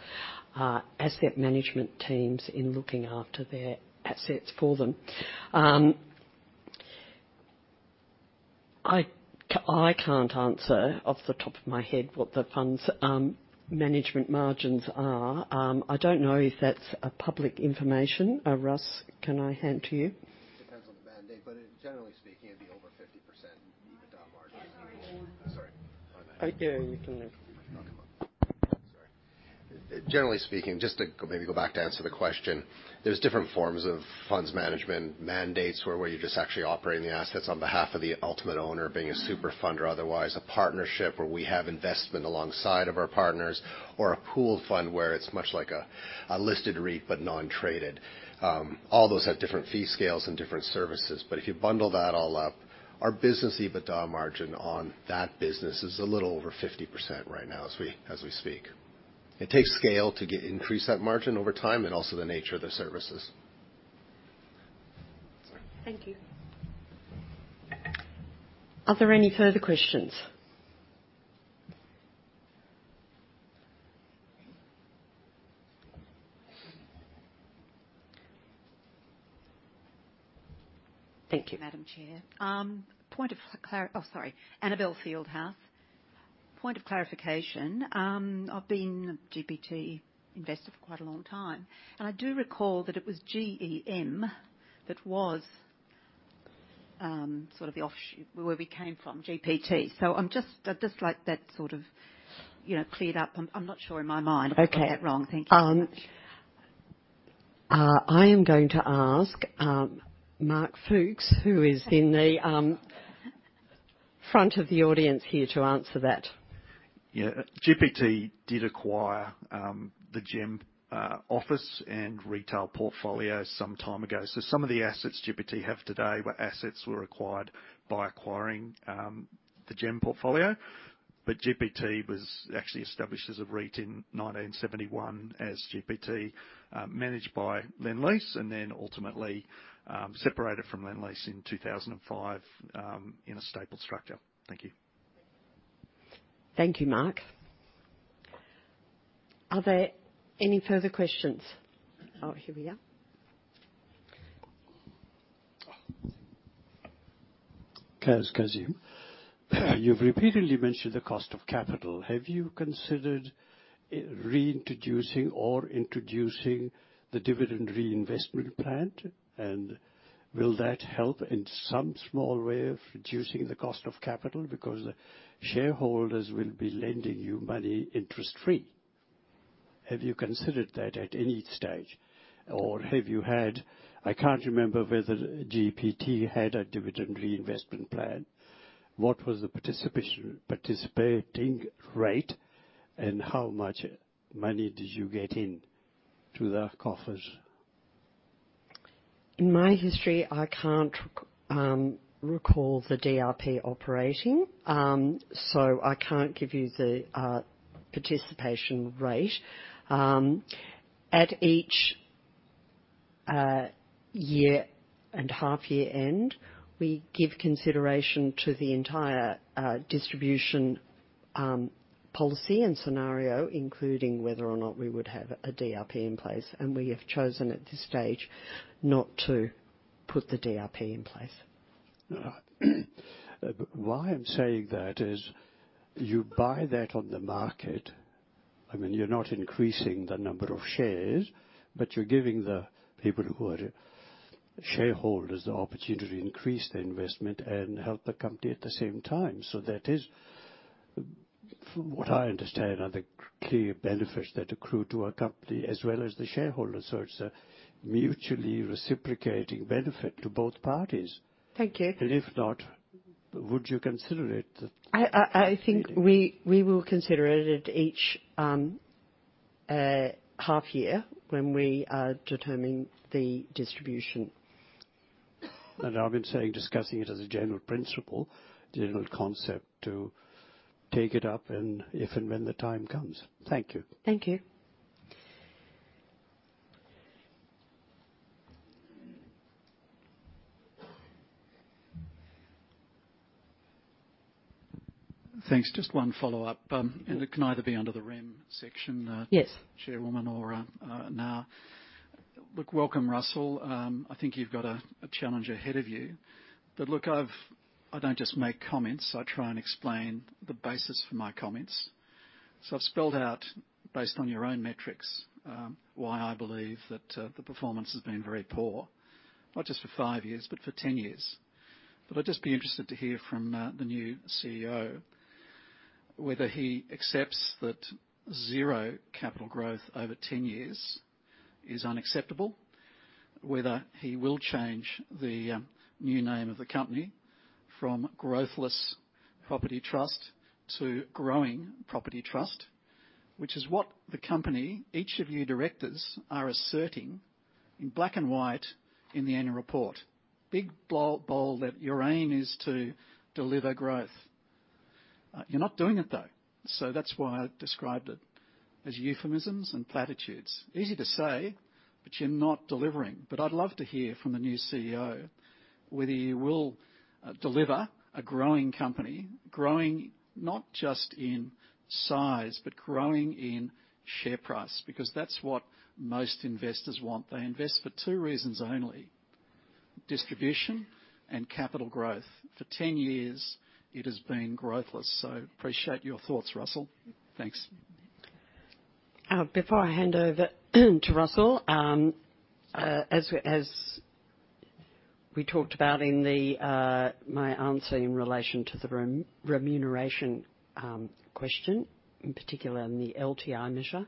asset management teams in looking after their assets for them. I can't answer off the top of my head what the funds management margins are. I don't know if that's public information. Russ, can I hand to you? It depends on the mandate. But generally speaking, it'd be over 50% EBITDA margin. Sorry. I'm not. Yeah. You can look. I'll come up. Sorry. Generally speaking, just to maybe go back to answer the question, there's different forms of funds management. Mandates where you're just actually operating the assets on behalf of the ultimate owner, being a super fund or otherwise, a partnership where we have investment alongside of our partners, or a pooled fund where it's much like a listed REIT but non-traded. All those have different fee scales and different services. But if you bundle that all up, our business EBITDA margin on that business is a little over 50% right now as we speak. It takes scale to increase that margin over time and also the nature of the services. Thank you. Are there any further questions? Thank you. Madam Chair, point of order, sorry. Annabelle Fieldhouse. Point of clarification, I've been GPT investor for quite a long time. I do recall that it was GEM that was sort of where we came from, GPT. So I'd just like that sort of cleared up. I'm not sure in my mind if I got that wrong. Thank you. I am going to ask Mark Fookes, who is in the front of the audience here, to answer that. Yeah. GPT did acquire the GEM office and retail portfolio some time ago. So some of the assets GPT have today were assets acquired by acquiring the GEM portfolio. But GPT was actually established as a REIT in 1971 as GPT, managed by Lendlease, and then ultimately separated from Lendlease in 2005 in a stapled structure. Thank you. Thank you, Mark. Are there any further questions? Oh, here we are. Cosie, you've repeatedly mentioned the cost of capital. Have you considered reintroducing or introducing the dividend reinvestment plan? And will that help in some small way of reducing the cost of capital because the shareholders will be lending you money interest-free? Have you considered that at any stage? Or have you had? I can't remember whether GPT had a dividend reinvestment plan. What was the participating rate and how much money did you get into the coffers? In my history, I can't recall the DRP operating. So I can't give you the participation rate. At each year and half-year end, we give consideration to the entire distribution policy and scenario, including whether or not we would have a DRP in place. We have chosen at this stage not to put the DRP in place. Why I'm saying that is, you buy that on the market. I mean, you're not increasing the number of shares, but you're giving the people who are shareholders the opportunity to increase their investment and help the company at the same time. So that is, from what I understand, are the clear benefits that accrue to a company as well as the shareholders. So it's a mutually reciprocating benefit to both parties. And if not, would you consider it? I think we will consider it at each half-year when we are determining the distribution. I've been saying, discussing it as a general principle, general concept to take it up if and when the time comes. Thank you. Thank you. Thanks. Just one follow-up. And it can either be under the REM section, Chairwoman, or now. Look, welcome, Russell. I think you've got a challenge ahead of you. But look, I don't just make comments. I try and explain the basis for my comments. So I've spelled out, based on your own metrics, why I believe that the performance has been very poor, not just for five years but for 10 years. But I'd just be interested to hear from the new CEO whether he accepts that 0 capital growth over 10 years is unacceptable, whether he will change the new name of the company from Growthless Property Trust to Growing Property Trust, which is what the company, each of you directors, are asserting in black and white in the annual report, big, bold, bold, that your aim is to deliver growth. You're not doing it, though. So that's why I described it as euphemisms and platitudes. Easy to say, but you're not delivering. But I'd love to hear from the new CEO whether you will deliver a growing company, growing not just in size but growing in share price because that's what most investors want. They invest for two reasons only: distribution and capital growth. For 10 years, it has been Growthless. So appreciate your thoughts, Russell. Thanks. Before I hand over to Russell, as we talked about in my answer in relation to the remuneration question, in particular in the LTI measure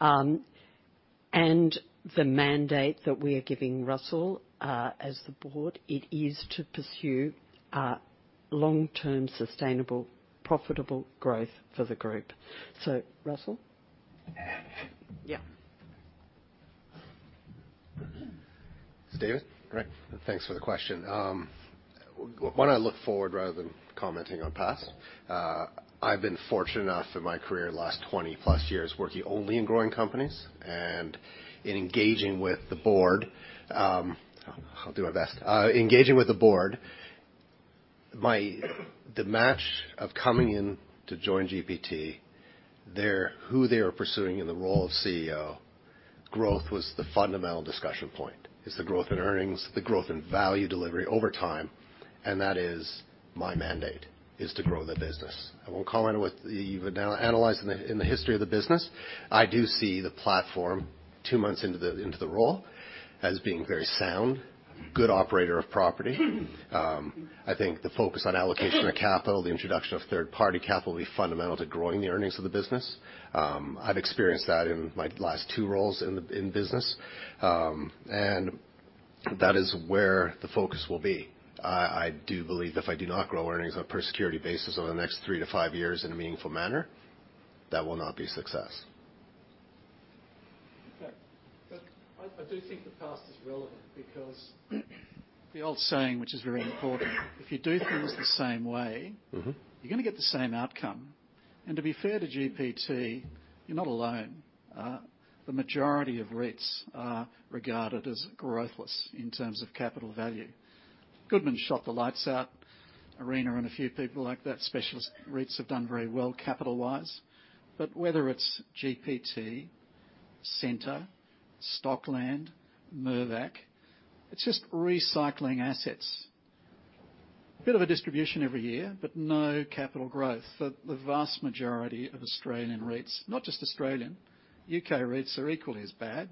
and the mandate that we are giving Russell as the board, it is to pursue long-term, sustainable, profitable growth for the group. So, Russell? Yeah. It's David. Great. Thanks for the question. Why don't I look forward rather than commenting on past? I've been fortunate enough in my career the last 20+ years working only in growing companies and in engaging with the board I'll do my best. Engaging with the board, the match of coming in to join GPT, who they were pursuing in the role of CEO, growth was the fundamental discussion point. It's the growth in earnings, the growth in value delivery over time. And that is my mandate, is to grow the business. I won't call it what you've analysed in the history of the business. I do see the platform, two months into the role, as being very sound, good operator of property. I think the focus on allocation of capital, the introduction of third-party capital will be fundamental to growing the earnings of the business. I've experienced that in my last two roles in business. That is where the focus will be. I do believe that if I do not grow earnings on a per-security basis over the next three to five years in a meaningful manner, that will not be success. Okay. But I do think the past is relevant because the old saying, which is very important, if you do things the same way, you're going to get the same outcome. And to be fair to GPT, you're not alone. The majority of REITs are regarded as growthless in terms of capital value. Goodman shot the lights out. Arena and a few people like that, specialist REITs, have done very well capital-wise. But whether it's GPT, Scentre, Stockland, Mirvac, it's just recycling assets. Bit of a distribution every year, but no capital growth for the vast majority of Australian REITs. Not just Australian. UK REITs are equally as bad.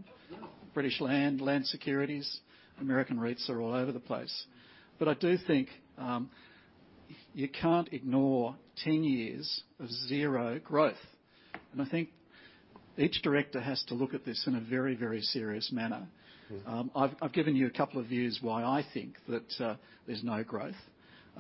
British Land, Land Securities, American REITs are all over the place. But I do think you can't ignore 10 years of zero growth. And I think each director has to look at this in a very, very serious manner. I've given you a couple of views why I think that there's no growth.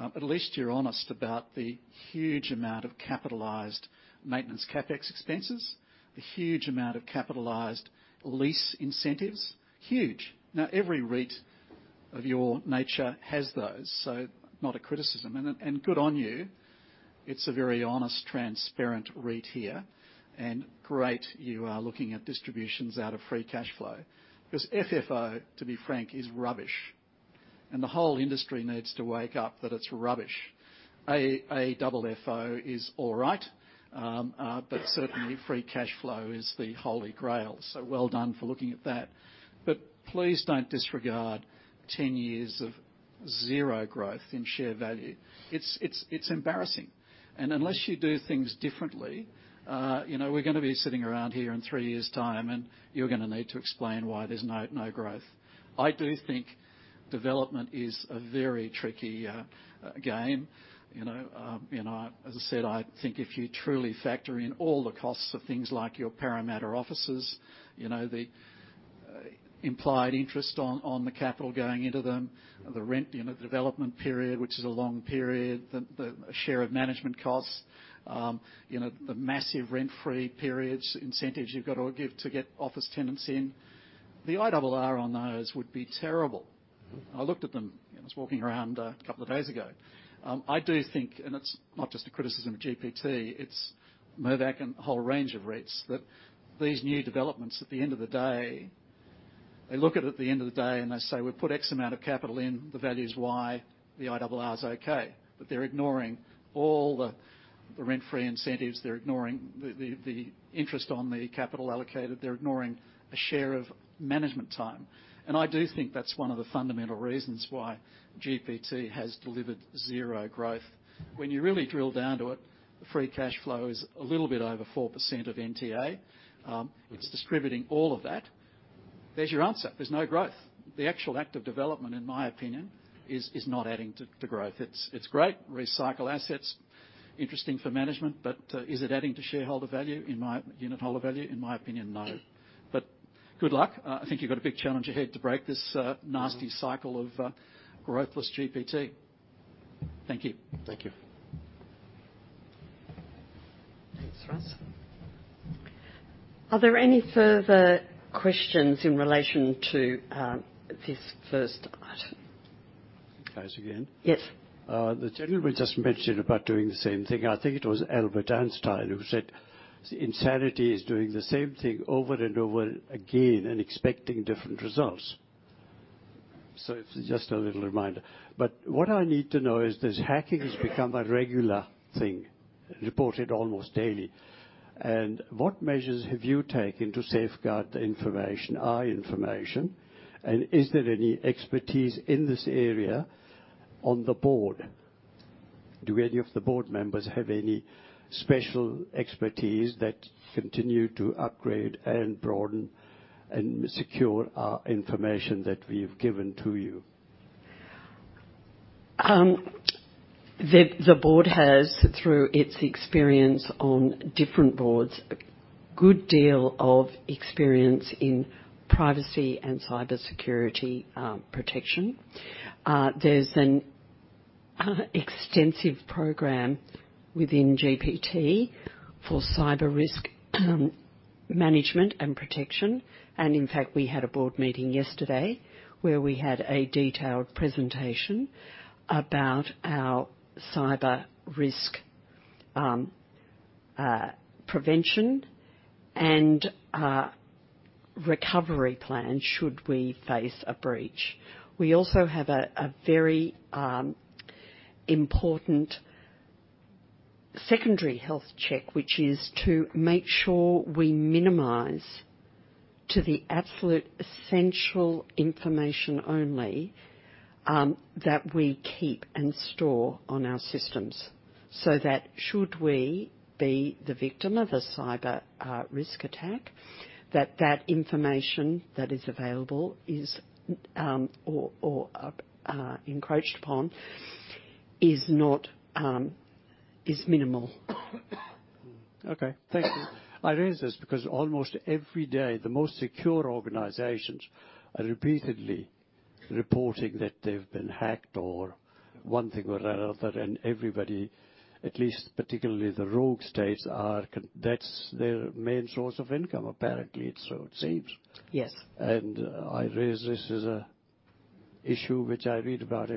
At least you're honest about the huge amount of capitalized maintenance CapEx expenses, the huge amount of capitalized lease incentives. Huge. Now, every REIT of your nature has those. So not a criticism. And good on you. It's a very honest, transparent REIT here. And great you are looking at distributions out of free cash flow because FFO, to be frank, is rubbish. And the whole industry needs to wake up that it's rubbish. AFFO is all right, but certainly, free cash flow is the holy grail. So well done for looking at that. But please don't disregard 10 years of zero growth in share value. It's embarrassing. And unless you do things differently, we're going to be sitting around here in three years' time, and you're going to need to explain why there's no growth. I do think development is a very tricky game. As I said, I think if you truly factor in all the costs of things like your premium offices, the implied interest on the capital going into them, the development period, which is a long period, the share of management costs, the massive rent-free periods, incentives you've got to give to get office tenants in, the IRR on those would be terrible. I looked at them. I was walking around a couple of days ago. I do think, and it's not just a criticism of GPT. It's Mirvac and a whole range of REITs that these new developments, at the end of the day, they look at it at the end of the day, and they say, "We put X amount of capital in. The value's Y. The IRR's okay." But they're ignoring all the rent-free incentives. They're ignoring the interest on the capital allocated. They're ignoring a share of management time. I do think that's one of the fundamental reasons why GPT has delivered zero growth. When you really drill down to it, the free cash flow is a little bit over 4% of NTA. It's distributing all of that. There's your answer. There's no growth. The actual act of development, in my opinion, is not adding to growth. It's great. Recycle assets. Interesting for management. But is it adding to shareholder value, unit holder value? In my opinion, no. But good luck. I think you've got a big challenge ahead to break this nasty cycle of Growthless GPT. Thank you. Thank you. Thanks, Russell. Are there any further questions in relation to this first item? Okay. It's again. The gentleman just mentioned about doing the same thing. I think it was Albert Einstein who said insanity is doing the same thing over and over again and expecting different results. It's just a little reminder. What I need to know is hacking has become a regular thing, reported almost daily. What measures have you taken to safeguard the information, our information? Is there any expertise in this area on the board? Do any of the board members have any special expertise that continue to upgrade and broaden and secure our information that we've given to you? The board has, through its experience on different boards, a good deal of experience in privacy and cybersecurity protection. There's an extensive program within GPT for cyber risk management and protection. In fact, we had a board meeting yesterday where we had a detailed presentation about our cyber risk prevention and recovery plan should we face a breach. We also have a very important secondary health check, which is to make sure we minimize to the absolute essential information only that we keep and store on our systems so that should we be the victim of a cyber risk attack, that that information that is available or encroached upon is minimal. Okay. Thank you. My reason is this because almost every day, the most secure organizations are repeatedly reporting that they've been hacked or one thing or another. And everybody, at least particularly the rogue states, their main source of income, apparently, so it seems. And I raise this as an issue which I read about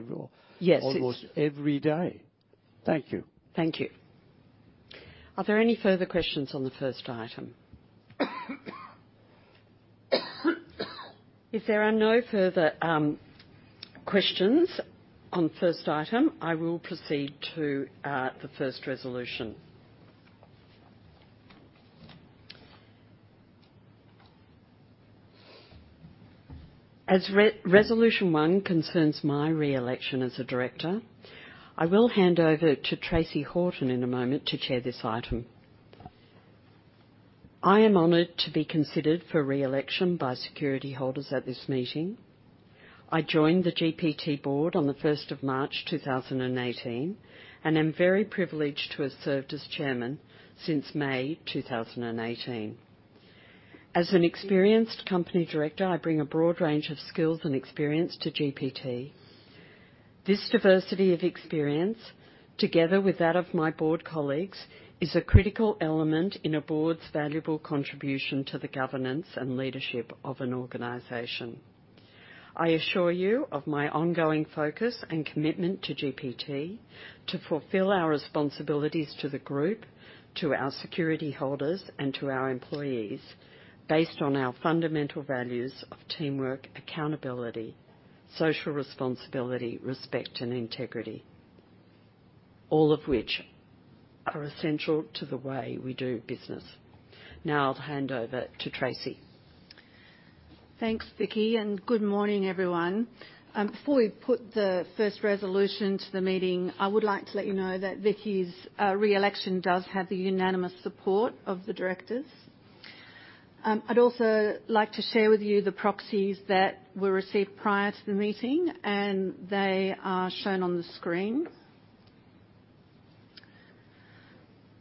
almost every day. Thank you. Thank you. Are there any further questions on the first item? If there are no further questions on the first item, I will proceed to the first resolution. As resolution one concerns my re-election as a director, I will hand over to Tracey Horton in a moment to chair this item. I am honored to be considered for re-election by security holders at this meeting. I joined the GPT board on the 1st of March, 2018, and am very privileged to have served as chairman since May, 2018. As an experienced company director, I bring a broad range of skills and experience to GPT. This diversity of experience, together with that of my board colleagues, is a critical element in a board's valuable contribution to the governance and leadership of an organization. I assure you of my ongoing focus and commitment to GPT to fulfill our responsibilities to the group, to our security holders, and to our employees based on our fundamental values of teamwork, accountability, social responsibility, respect, and integrity, all of which are essential to the way we do business. Now, I'll hand over to Tracey. Thanks, Vickki. Good morning, everyone. Before we put the first resolution to the meeting, I would like to let you know that Vickki's re-election does have the unanimous support of the directors. I'd also like to share with you the proxies that were received prior to the meeting, and they are shown on the screen.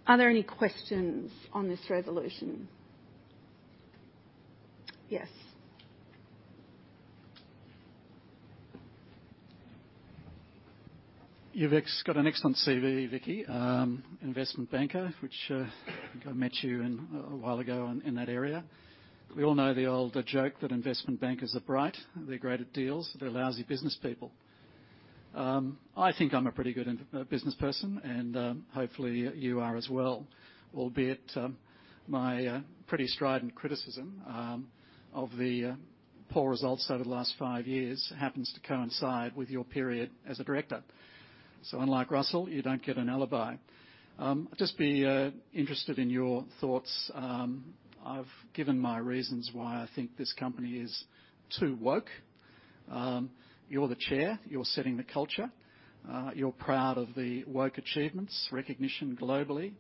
Are there any questions on this resolution? Yes. You've got an excellent CV, Vickki, investment banker, which I think I met you in a while ago in that area. We all know the old joke that investment bankers are bright. They're great at deals. They're lousy business people. I think I'm a pretty good business person, and hopefully, you are as well, albeit my pretty strident criticism of the poor results over the last five years happens to coincide with your period as a director. So unlike Russell, you don't get an alibi. I'd just be interested in your thoughts. I've given my reasons why I think this company is too woke. You're the chair. You're setting the culture. You're proud of the woke achievements, recognition globally.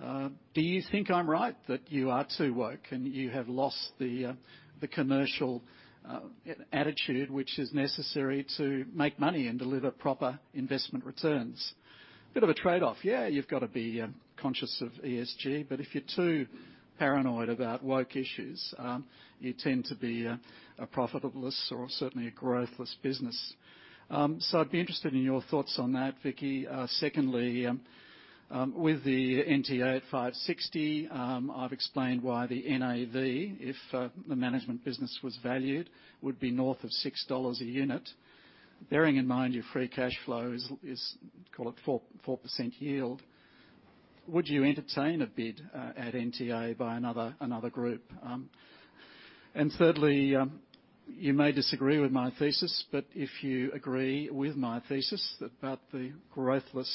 Do you think I'm right that you are too woke and you have lost the commercial attitude which is necessary to make money and deliver proper investment returns? Bit of a trade-off. Yeah, you've got to be conscious of ESG. But if you're too paranoid about woke issues, you tend to be a profitless or certainly a growthless business. So I'd be interested in your thoughts on that, Vickki. Secondly, with the NTA at 5.60, I've explained why the NAV, if the management business was valued, would be north of 6 dollars a unit. Bearing in mind your free cash flow is, call it, 4% yield, would you entertain a bid at NTA by another group? And thirdly, you may disagree with my thesis, but if you agree with my thesis about the Growthless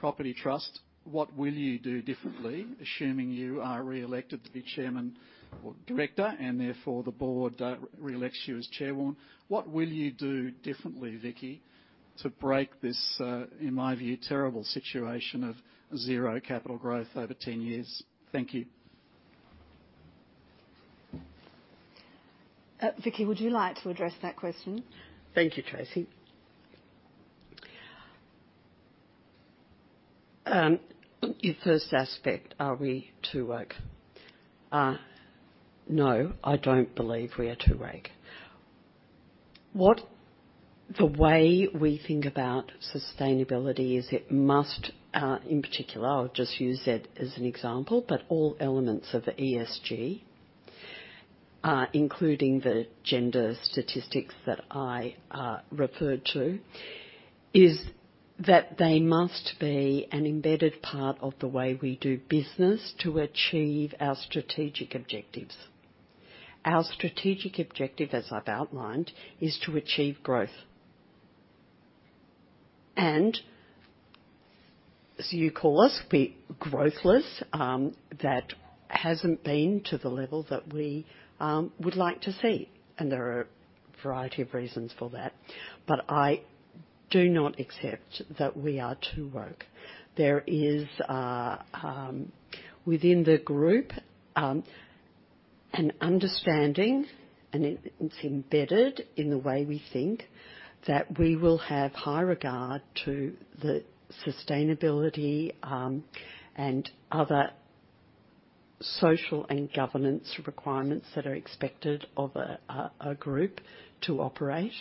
Property Trust, what will you do differently, assuming you are re-elected to be chairman or director and, therefore, the board re-elects you as chairwoman? What will you do differently, Vickki, to break this, in my view, terrible situation of zero capital growth over 10 years? Thank you. Vickki, would you like to address that question? Thank you, Tracey. Your first aspect, are we too woke? No, I don't believe we are too woke. The way we think about sustainability is it must, in particular, I'll just use it as an example, but all elements of ESG, including the gender statistics that I referred to, is that they must be an embedded part of the way we do business to achieve our strategic objectives. Our strategic objective, as I've outlined, is to achieve growth. And as you call us, we're growthless. That hasn't been to the level that we would like to see. And there are a variety of reasons for that. But I do not accept that we are too woke. There is, within the group, an understanding, and it's embedded in the way we think, that we will have high regard to the sustainability and other social and governance requirements that are expected of a group to operate.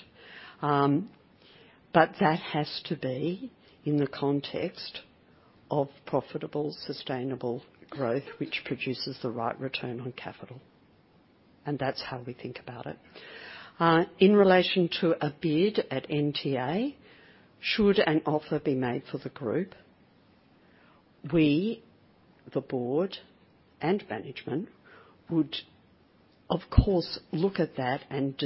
But that has to be in the context of profitable, sustainable growth, which produces the right return on capital. And that's how we think about it. In relation to a bid at NTA, should an offer be made for the group, we, the board and management, would, of course, look at that and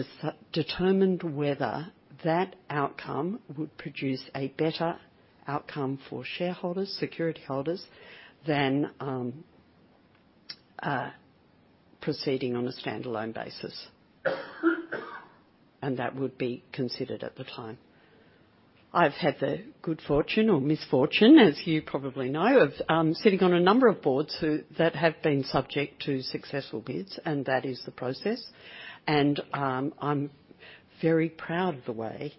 determine whether that outcome would produce a better outcome for shareholders, security holders, than proceeding on a standalone basis. And that would be considered at the time. I've had the good fortune or misfortune, as you probably know, of sitting on a number of boards that have been subject to successful bids, and that is the process. I'm very proud of the way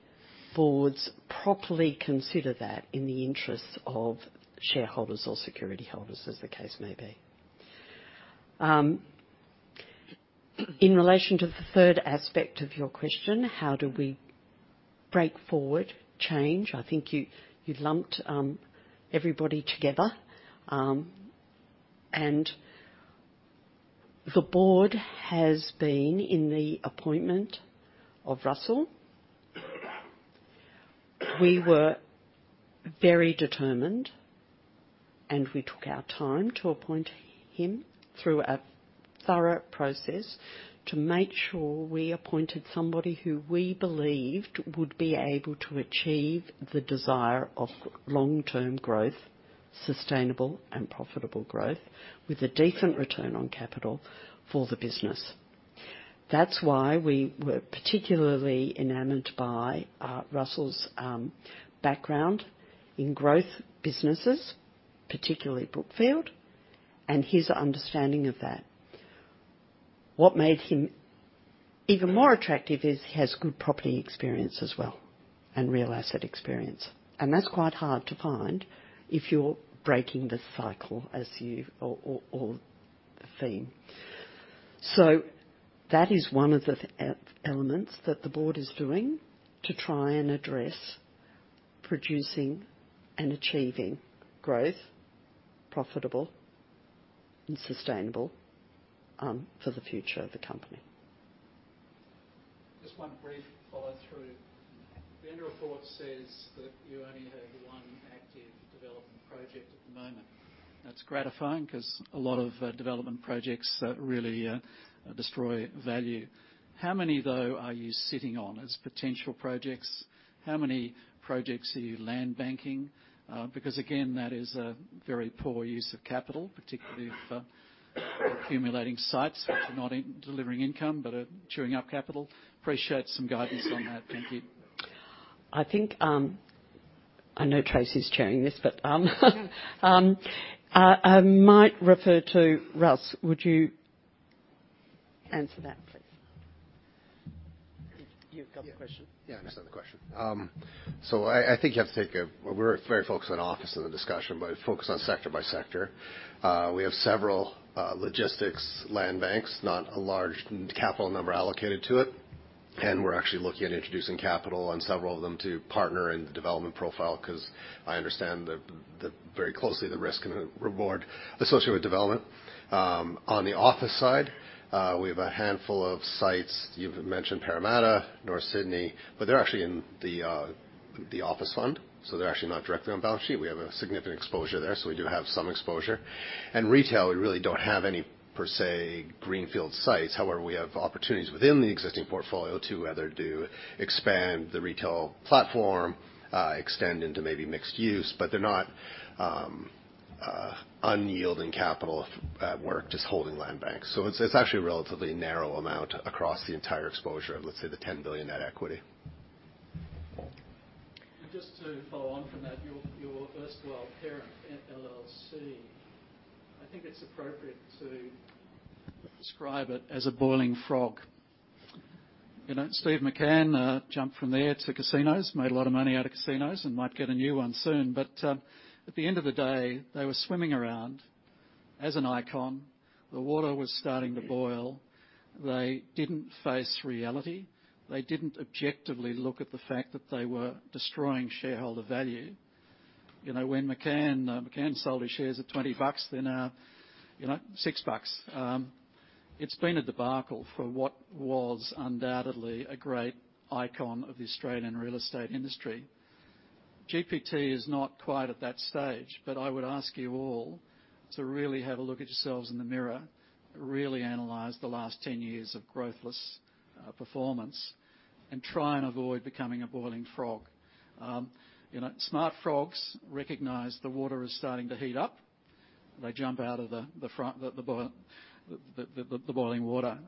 boards properly consider that in the interests of shareholders or security holders, as the case may be. In relation to the third aspect of your question, how do we break forward change? I think you lumped everybody together. And the board has been, in the appointment of Russell, we were very determined, and we took our time to appoint him through a thorough process to make sure we appointed somebody who we believed would be able to achieve the desire of long-term growth, sustainable and profitable growth, with a decent return on capital for the business. That's why we were particularly enamored by Russell's background in growth businesses, particularly Brookfield, and his understanding of that. What made him even more attractive is he has good property experience as well and real asset experience. That's quite hard to find if you're breaking the cycle or the theme. So that is one of the elements that the board is doing to try and address producing and achieving growth, profitable and sustainable, for the future of the company. Just one brief follow-through. The end of report says that you only have one active development project at the moment. That's gratifying because a lot of development projects really destroy value. How many, though, are you sitting on as potential projects? How many projects are you land banking? Because again, that is a very poor use of capital, particularly if accumulating sites which are not delivering income but are chewing up capital. Appreciate some guidance on that. Thank you. I think I know Tracey's chairing this, but I might refer to Russ. Would you answer that, please? You've got the question. Yeah. Yeah. I understand the question. So I think you have to take it. We're very focused on office in the discussion, but focused on sector by sector. We have several logistics land banks, not a large capital number allocated to it. And we're actually looking at introducing capital on several of them to partner in the development profile because I understand very closely the risk and reward associated with development. On the office side, we have a handful of sites. You've mentioned Parramatta, North Sydney, but they're actually in the office fund, so they're actually not directly on balance sheet. We have a significant exposure there, so we do have some exposure. And retail, we really don't have any, per se, greenfield sites. However, we have opportunities within the existing portfolio to either expand the retail platform, extend into maybe mixed use, but they're not unyielding capital at work, just holding land banks. So it's actually a relatively narrow amount across the entire exposure of, let's say, the 10 billion net equity. Just to follow on from that, your First World Parent LLC, I think it's appropriate to describe it as a boiling frog. Steve McCann jumped from there to casinos, made a lot of money out of casinos, and might get a new one soon. But at the end of the day, they were swimming around as an icon. The water was starting to boil. They didn't face reality. They didn't objectively look at the fact that they were destroying shareholder value. When McCann sold his shares at $20, they're now $6. It's been a debacle for what was undoubtedly a great icon of the Australian real estate industry. GPT is not quite at that stage, but I would ask you all to really have a look at yourselves in the mirror, really analyze the last 10 years of growthless performance, and try and avoid becoming a boiling frog. Smart frogs recognize the water is starting to heat up. They jump out of the boiling water.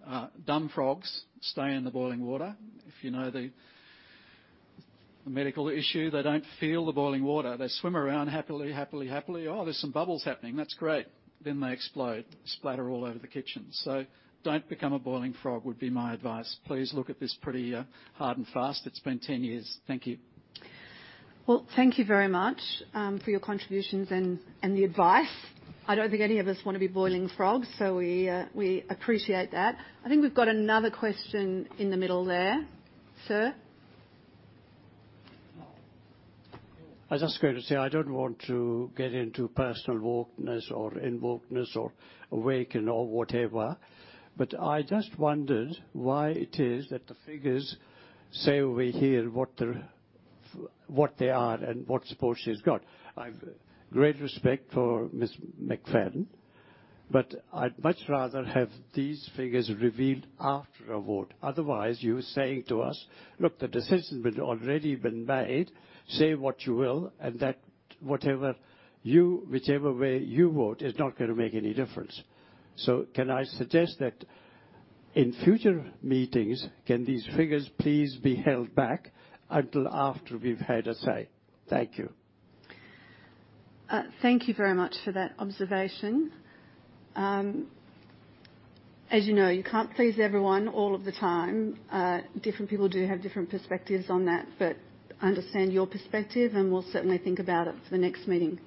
Dumb frogs stay in the boiling water. If you know the medical issue, they don't feel the boiling water. They swim around happily, happily, happily. "Oh, there's some bubbles happening. That's great." Then they explode, splatter all over the kitchen. So don't become a boiling frog, would be my advice. Please look at this pretty hard and fast. It's been 10 years. Thank you. Well, thank you very much for your contributions and the advice. I don't think any of us want to be boiling frogs, so we appreciate that. I think we've got another question in the middle there. Sir? I just got to say I don't want to get into personal wokeness or invokeness or awakening or whatever, but I just wondered why it is that the figures say over here what they are and what supposedly it's got. I have great respect for Miss McFadden, but I'd much rather have these figures revealed after a vote. Otherwise, you were saying to us, "Look, the decision's already been made. Say what you will, and whatever way you vote is not going to make any difference." So can I suggest that in future meetings, can these figures please be held back until after we've had a say? Thank you. Thank you very much for that observation. As you know, you can't please everyone all of the time. Different people do have different perspectives on that, but I understand your perspective, and we'll certainly think about it for the next meeting.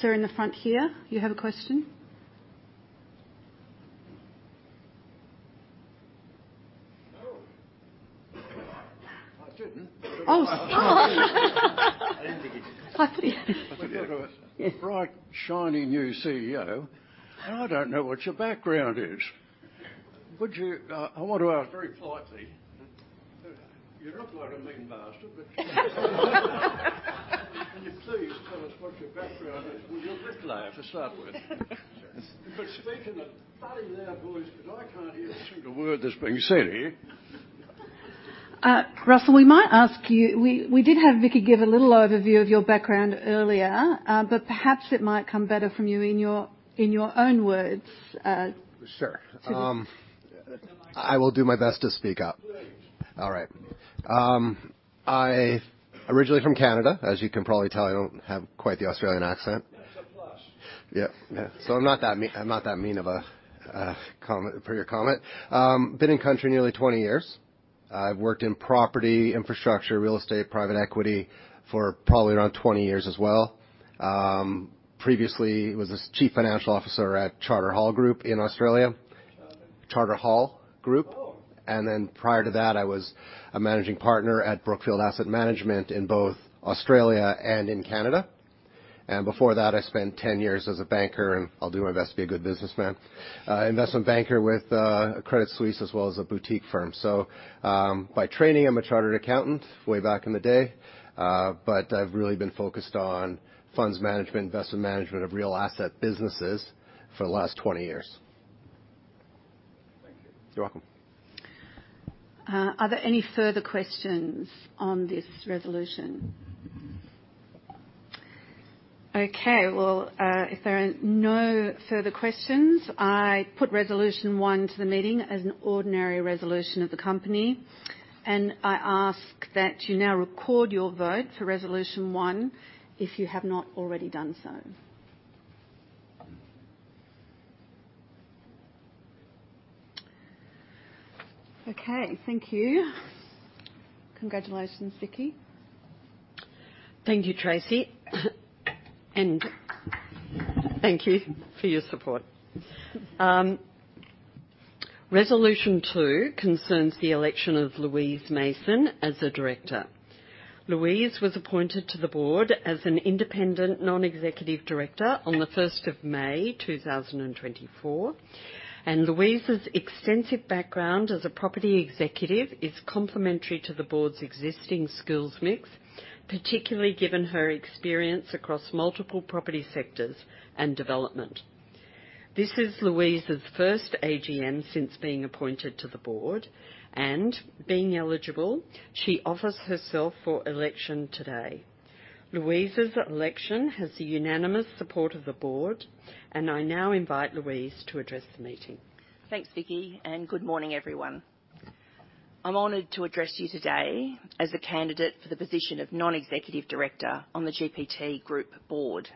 Sir, in the front here, you have a question? I didn't think it did. I put it. Bright, shiny new CEO, and I don't know what your background is. I want to ask. Very politely, you look like a mean bastard, but can you please tell us what your background is? Well, you're a bit loud to start with. But speak in a bloody loud voice because I can't hear a single word that's being said here. Russell, we might ask you. We did have Vickki give a little overview of your background earlier, but perhaps it might come better from you in your own words too. Sure. I will do my best to speak up. All right. I'm originally from Canada. As you can probably tell, I don't have quite the Australian accent. Yeah. Yeah. So I'm not that mean of a comment for your comment. Been in country nearly 20 years. I've worked in property, infrastructure, real estate, private equity for probably around 20 years as well. Previously, I was a chief financial officer at Charter Hall Group in Australia. Charter Hall Group. Then prior to that, I was a managing partner at Brookfield Asset Management in both Australia and in Canada. Before that, I spent 10 years as a banker - and I'll do my best to be a good businessman - investment banker with Credit Suisse as well as a boutique firm. By training, I'm a chartered accountant way back in the day, but I've really been focused on funds management, investment management of real asset businesses for the last 20 years. Are there any further questions on this resolution? Okay. Well, if there are no further questions, I put resolution one to the meeting as an ordinary resolution of the company. And I ask that you now record your vote for resolution one if you have not already done so. Okay. Thank you. Congratulations, Vickki. Thank you, Tracey. Thank you for your support. Resolution two concerns the election of Louise Mason as a director. Louise was appointed to the board as an independent, non-executive director on the 1st of May, 2024. Louise's extensive background as a property executive is complementary to the board's existing skills mix, particularly given her experience across multiple property sectors and development. This is Louise's first AGM since being appointed to the board. Being eligible, she offers herself for election today. Louise's election has the unanimous support of the board, and I now invite Louise to address the meeting. Thanks, Vickki, and good morning, everyone. I'm honored to address you today as a candidate for the position of non-executive director on the GPT Group board.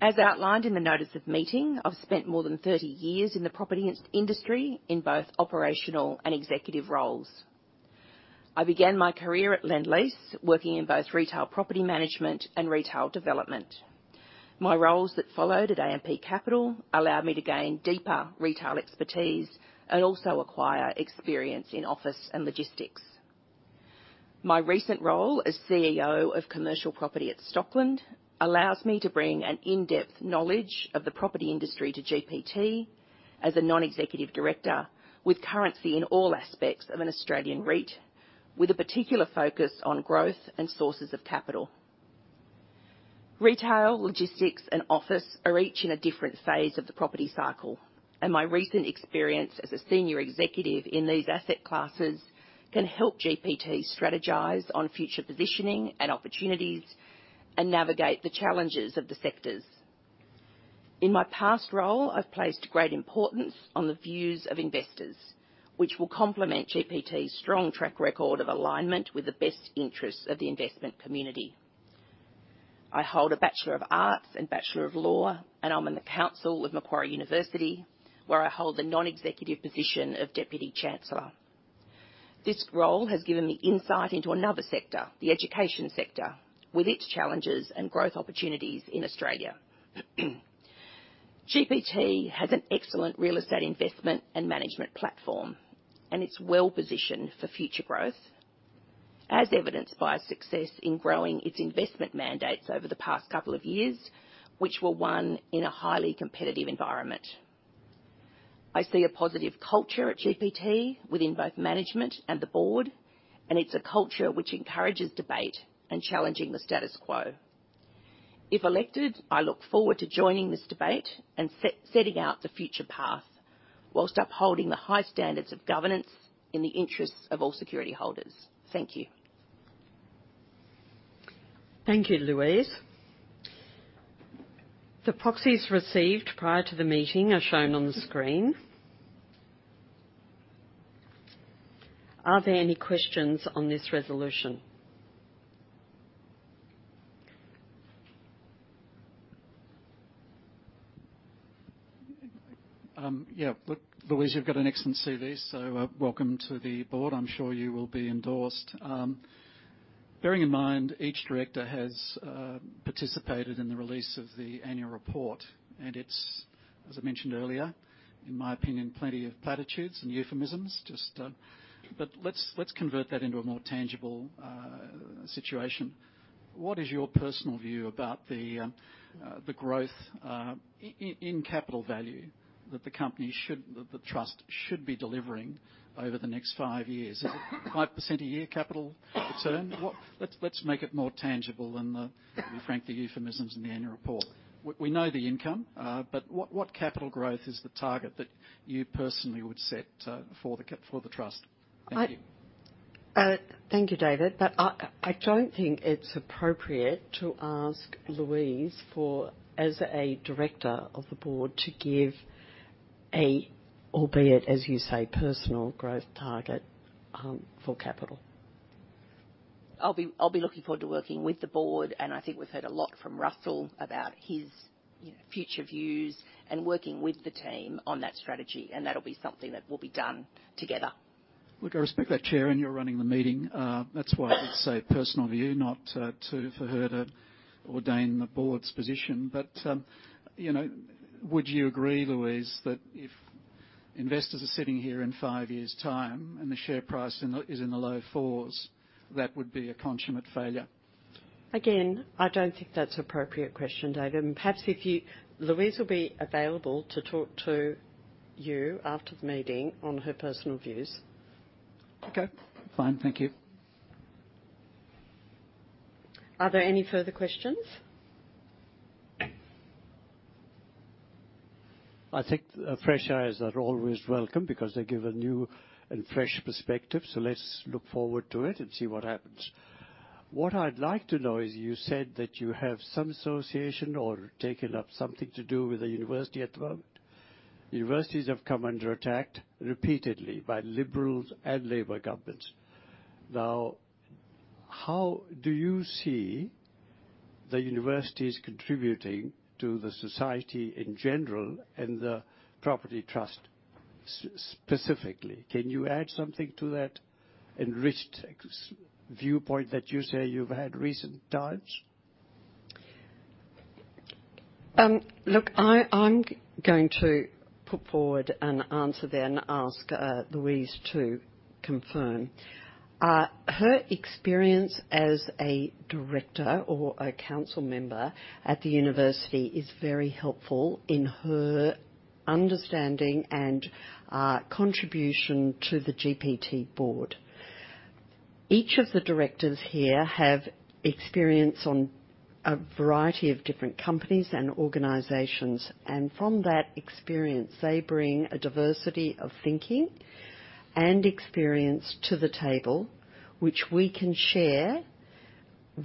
As outlined in the notice of meeting, I've spent more than 30 years in the property industry in both operational and executive roles. I began my career at Lendlease working in both retail property management and retail development. My roles that followed at AMP Capital allowed me to gain deeper retail expertise and also acquire experience in office and logistics. My recent role as CEO of commercial property at Stockland allows me to bring an in-depth knowledge of the property industry to GPT as a non-executive director with currency in all aspects of an Australian REIT, with a particular focus on growth and sources of capital. Retail, logistics, and office are each in a different phase of the property cycle, and my recent experience as a senior executive in these asset classes can help GPT strategize on future positioning and opportunities and navigate the challenges of the sectors. In my past role, I've placed great importance on the views of investors, which will complement GPT's strong track record of alignment with the best interests of the investment community. I hold a Bachelor of Arts and Bachelor of Law, and I'm in the Council of Macquarie University, where I hold the non-executive position of deputy chancellor. This role has given me insight into another sector, the education sector, with its challenges and growth opportunities in Australia. GPT has an excellent real estate investment and management platform, and it's well-positioned for future growth, as evidenced by its success in growing its investment mandates over the past couple of years, which were won in a highly competitive environment. I see a positive culture at GPT within both management and the board, and it's a culture which encourages debate and challenging the status quo. If elected, I look forward to joining this debate and setting out the future path while upholding the high standards of governance in the interests of all security holders. Thank you. Thank you, Louise. The proxies received prior to the meeting are shown on the screen. Are there any questions on this resolution? Yeah. Look, Louise, you've got an excellent CV, so welcome to the board. I'm sure you will be endorsed. Bearing in mind each director has participated in the release of the annual report, and it's, as I mentioned earlier, in my opinion, plenty of platitudes and euphemisms. But let's convert that into a more tangible situation. What is your personal view about the growth in capital value that the trust should be delivering over the next five years? Is it 5% a year capital return? Let's make it more tangible and refrain from the euphemisms in the annual report. We know the income, but what capital growth is the target that you personally would set for the trust? Thank you. Thank you, David. But I don't think it's appropriate to ask Louise for, as a director of the board, to give a, albeit as you say, personal growth target for capital. I'll be looking forward to working with the board, and I think we've heard a lot from Russell about his future views and working with the team on that strategy. That'll be something that will be done together. Look, I respect that, Chair, and you're running the meeting. That's why I did say personal view, not for her to ordain the board's position. But would you agree, Louise, that if investors are sitting here in five years' time and the share price is in the low fours, that would be a consummate failure? Again, I don't think that's an appropriate question, David. Perhaps Louise will be available to talk to you after the meeting on her personal views. Okay. Fine. Thank you. Are there any further questions? I think fresh eyes are always welcome because they give a new and fresh perspective. So let's look forward to it and see what happens. What I'd like to know is you said that you have some association or taken up something to do with the university at the moment. Universities have come under attack repeatedly by Liberals and Labor governments. Now, how do you see the universities contributing to the society in general and the property trust specifically? Can you add something to that enriched viewpoint that you say you've had recent times? Look, I'm going to put forward an answer there and ask Louise to confirm. Her experience as a director or a council member at the university is very helpful in her understanding and contribution to the GPT board. Each of the directors here have experience on a variety of different companies and organizations, and from that experience, they bring a diversity of thinking and experience to the table, which we can share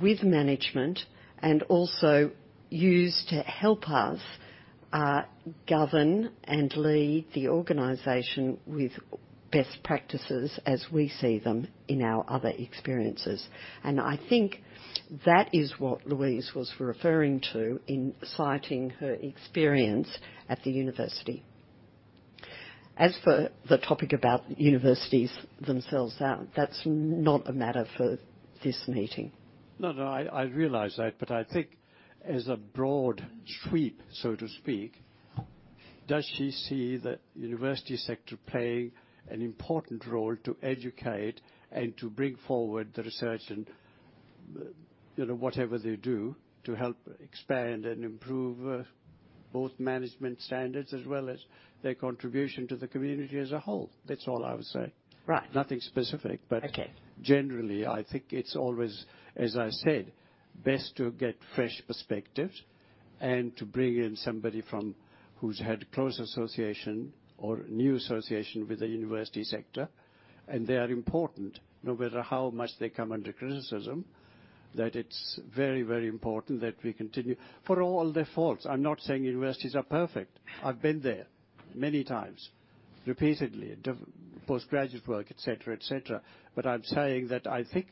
with management and also use to help us govern and lead the organization with best practices as we see them in our other experiences. And I think that is what Louise was referring to in citing her experience at the university. As for the topic about universities themselves, that's not a matter for this meeting. No, no. I realize that. But I think as a broad sweep, so to speak, does she see the university sector playing an important role to educate and to bring forward the research and whatever they do to help expand and improve both management standards as well as their contribution to the community as a whole? That's all I would say. Nothing specific. But generally, I think it's always, as I said, best to get fresh perspectives and to bring in somebody who's had close association or new association with the university sector. And they are important, no matter how much they come under criticism, that it's very, very important that we continue for all their faults. I'm not saying universities are perfect. I've been there many times, repeatedly, postgraduate work, etc., etc. But I'm saying that I think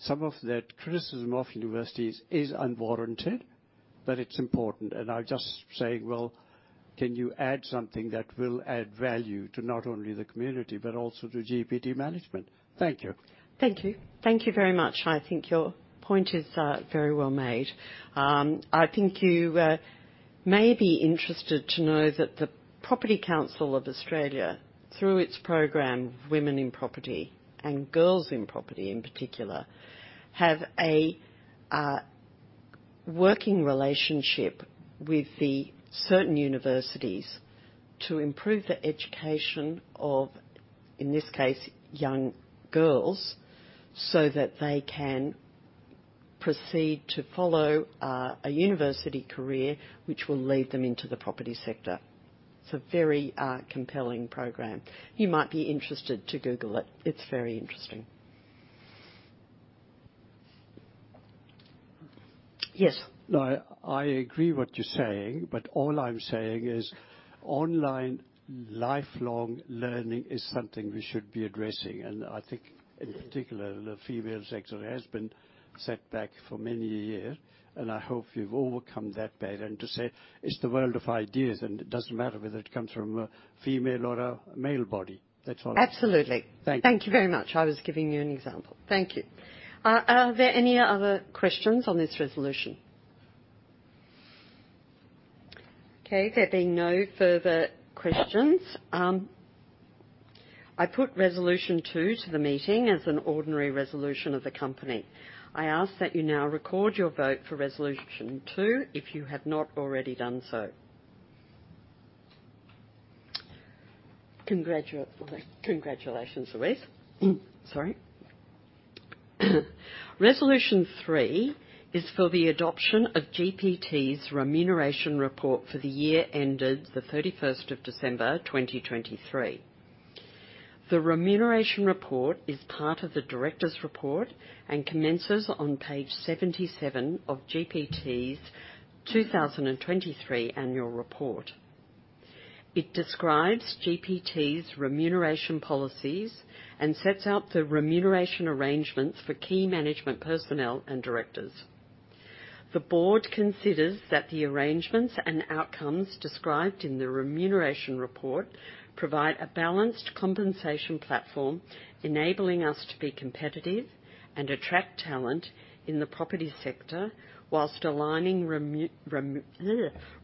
some of that criticism of universities is unwarranted, but it's important. I'm just saying, well, can you add something that will add value to not only the community but also to GPT management? Thank you. Thank you. Thank you very much. I think your point is very well made. I think you may be interested to know that the Property Council of Australia, through its program, Women in Property and Girls in Property in particular, have a working relationship with certain universities to improve the education of, in this case, young girls so that they can proceed to follow a university career which will lead them into the property sector. It's a very compelling program. You might be interested to Google it. It's very interesting. Yes? No, I agree with what you're saying, but all I'm saying is online lifelong learning is something we should be addressing. I think, in particular, the female sector has been set back for many years, and I hope you've overcome that pattern to say it's the world of ideas, and it doesn't matter whether it comes from a female or a male body. That's all I'm saying. Absolutely. Thank you. Thank you very much. I was giving you an example. Thank you. Are there any other questions on this resolution? Okay. There being no further questions, I put resolution two to the meeting as an ordinary resolution of the company. I ask that you now record your vote for resolution two if you have not already done so. Congratulations, Louise. Sorry. Resolution three is for the adoption of GPT's remuneration report for the year ended the 31st of December, 2023. The remuneration report is part of the director's report and commences on page 77 of GPT's 2023 annual report. It describes GPT's remuneration policies and sets out the remuneration arrangements for key management personnel and directors. The board considers that the arrangements and outcomes described in the remuneration report provide a balanced compensation platform enabling us to be competitive and attract talent in the property sector while aligning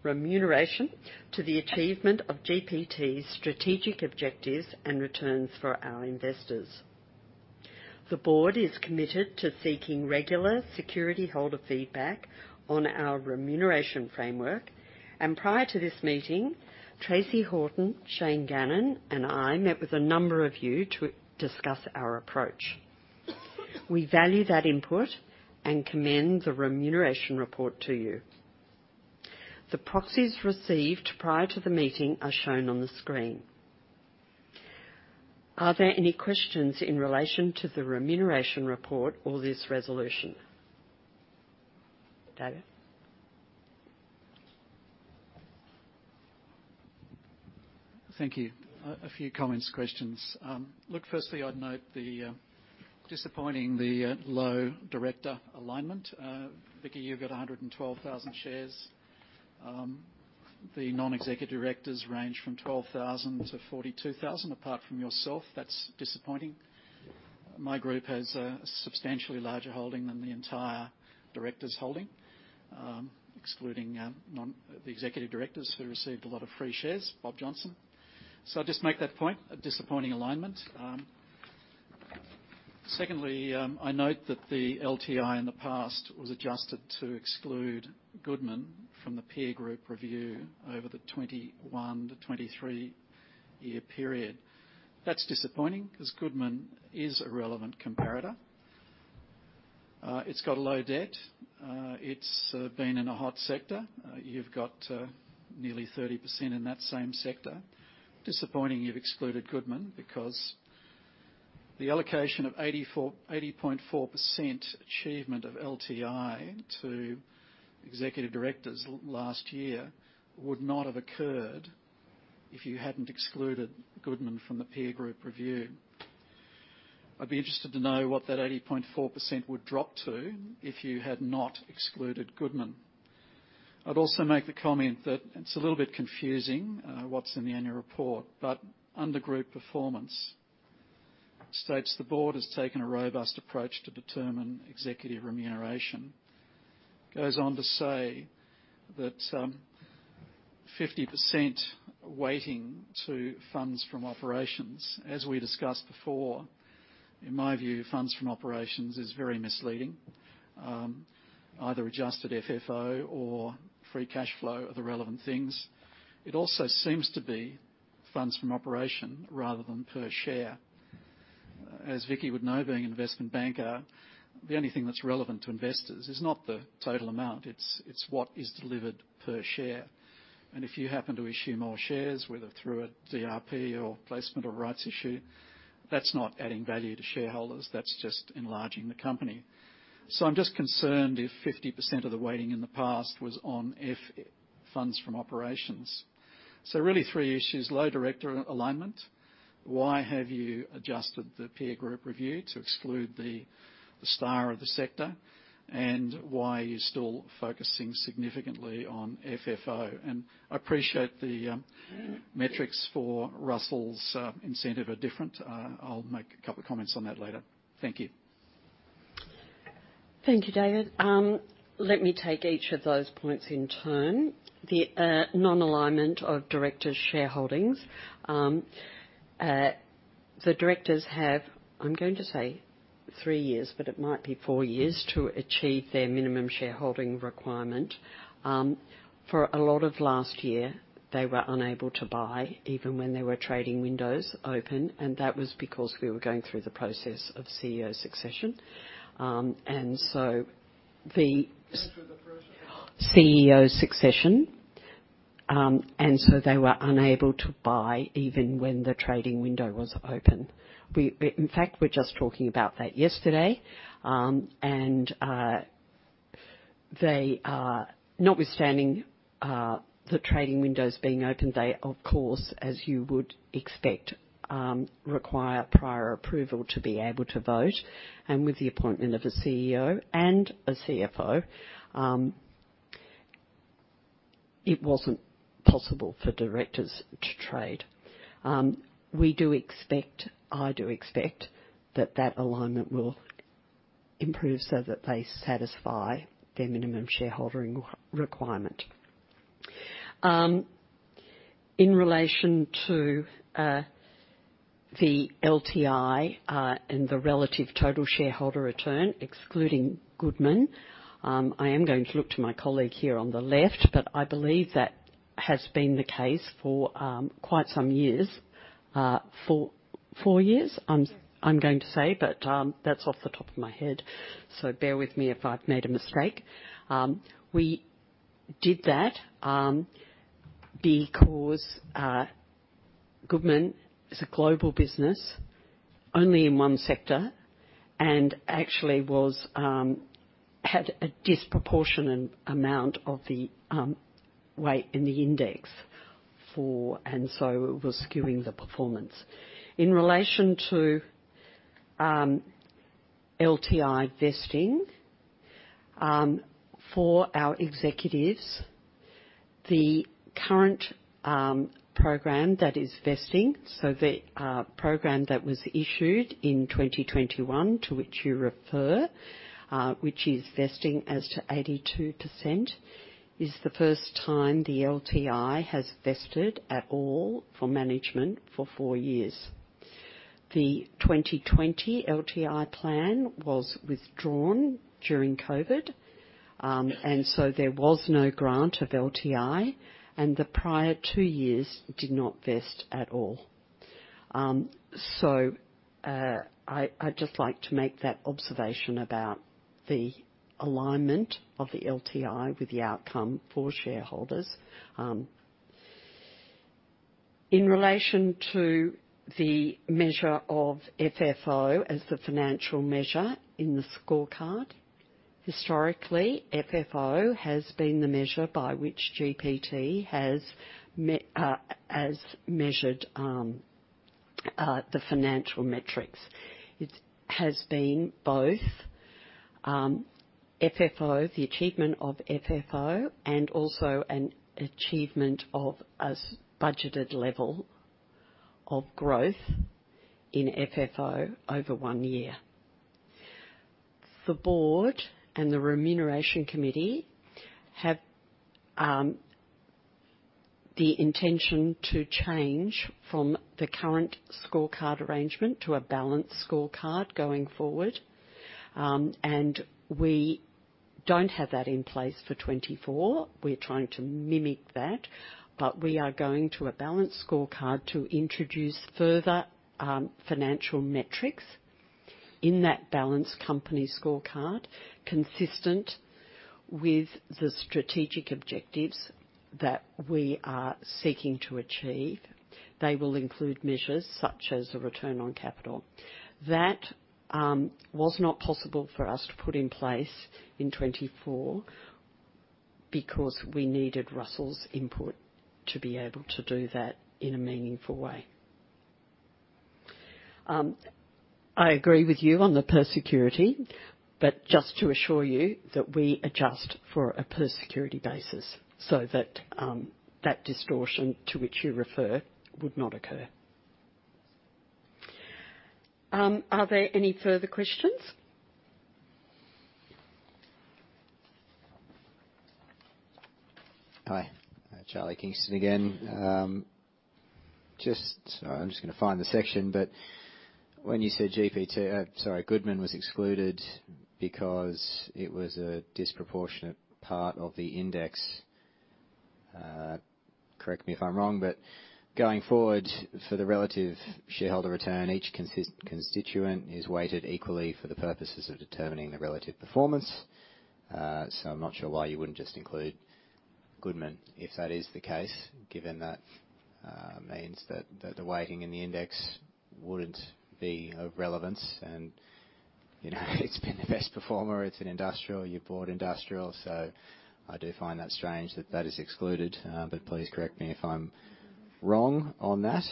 remuneration to the achievement of GPT's strategic objectives and returns for our investors. The board is committed to seeking regular security holder feedback on our remuneration framework. Prior to this meeting, Tracey Horton, Shane Gannon, and I met with a number of you to discuss our approach. We value that input and commend the remuneration report to you. The proxies received prior to the meeting are shown on the screen. Are there any questions in relation to the remuneration report or this resolution? David? Thank you. A few comments, questions. Look, firstly, I'd note disappointing the low director alignment. Vickki, you've got 112,000 shares. The non-executive directors range from 12,000-42,000 apart from yourself. That's disappointing. My group has a substantially larger holding than the entire directors' holding, excluding the executive directors who received a lot of free shares, Bob Johnston. So I'd just make that point, a disappointing alignment. Secondly, I note that the LTI in the past was adjusted to exclude Goodman from the peer group review over the 2021-2023 year period. That's disappointing because Goodman is a relevant comparator. It's got a low debt. It's been in a hot sector. You've got nearly 30% in that same sector. Disappointing you've excluded Goodman because the allocation of 80.4% achievement of LTI to executive directors last year would not have occurred if you hadn't excluded Goodman from the peer group review. I'd be interested to know what that 80.4% would drop to if you had not excluded Goodman. I'd also make the comment that it's a little bit confusing what's in the annual report, but under group performance, states the board has taken a robust approach to determine executive remuneration. Goes on to say that 50% weighting to funds from operations, as we discussed before, in my view, funds from operations is very misleading. Either adjusted FFO or free cash flow are the relevant things. It also seems to be funds from operation rather than per share. As Vickki would know, being an investment banker, the only thing that's relevant to investors is not the total amount. It's what is delivered per share. And if you happen to issue more shares, whether through a DRP or placement or rights issue, that's not adding value to shareholders. That's just enlarging the company. So, I'm just concerned if 50% of the weighting in the past was on Funds From Operations. So really, three issues. Low director alignment. Why have you adjusted the peer group review to exclude the star of the sector? And why are you still focusing significantly on FFO? And I appreciate the metrics for Russell's incentive are different. I'll make a couple of comments on that later. Thank you. Thank you, David. Let me take each of those points in turn. The non-alignment of directors' shareholdings, the directors have, I'm going to say, three years, but it might be four years to achieve their minimum shareholding requirement. For a lot of last year, they were unable to buy even when there were trading windows open, and that was because we were going through the process of CEO succession. And so the CEO succession. So they were unable to buy even when the trading window was open. In fact, we're just talking about that yesterday. Notwithstanding the trading windows being open, they, of course, as you would expect, require prior approval to be able to vote. With the appointment of a CEO and a CFO, it wasn't possible for directors to trade. I do expect that that alignment will improve so that they satisfy their minimum shareholding requirement. In relation to the LTI and the Relative Total Shareholder Return, excluding Goodman, I am going to look to my colleague here on the left, but I believe that has been the case for quite some years, four years, I'm going to say, but that's off the top of my head. Bear with me if I've made a mistake. We did that because Goodman is a global business only in one sector and actually had a disproportionate amount of the weight in the index, and so it was skewing the performance. In relation to LTI vesting, for our executives, the current program that is vesting, so the program that was issued in 2021 to which you refer, which is vesting as to 82%, is the first time the LTI has vested at all for management for four years. The 2020 LTI plan was withdrawn during COVID, and so there was no grant of LTI, and the prior two years did not vest at all. So I'd just like to make that observation about the alignment of the LTI with the outcome for shareholders. In relation to the measure of FFO as the financial measure in the scorecard, historically, FFO has been the measure by which GPT has measured the financial metrics. It has been both the achievement of FFO and also an achievement of a budgeted level of growth in FFO over one year. The board and the remuneration committee have the intention to change from the current scorecard arrangement to a balanced scorecard going forward. We don't have that in place for 2024. We're trying to mimic that, but we are going to a balanced scorecard to introduce further financial metrics in that balanced company scorecard consistent with the strategic objectives that we are seeking to achieve. They will include measures such as a return on capital. That was not possible for us to put in place in 2024 because we needed Russell's input to be able to do that in a meaningful way. I agree with you on the per security, but just to assure you that we adjust for a per security basis so that that distortion to which you refer would not occur. Are there any further questions? Hi. Charlie Kingston again. Sorry, I'm just going to find the section. But when you said GPT sorry, Goodman was excluded because it was a disproportionate part of the index. Correct me if I'm wrong, but going forward, for the relative shareholder return, each constituent is weighted equally for the purposes of determining the relative performance. So I'm not sure why you wouldn't just include Goodman if that is the case, given that means that the weighting in the index wouldn't be of relevance. And it's been the best performer. It's an industrial. You've bought industrial. So I do find that strange that that is excluded, but please correct me if I'm wrong on that.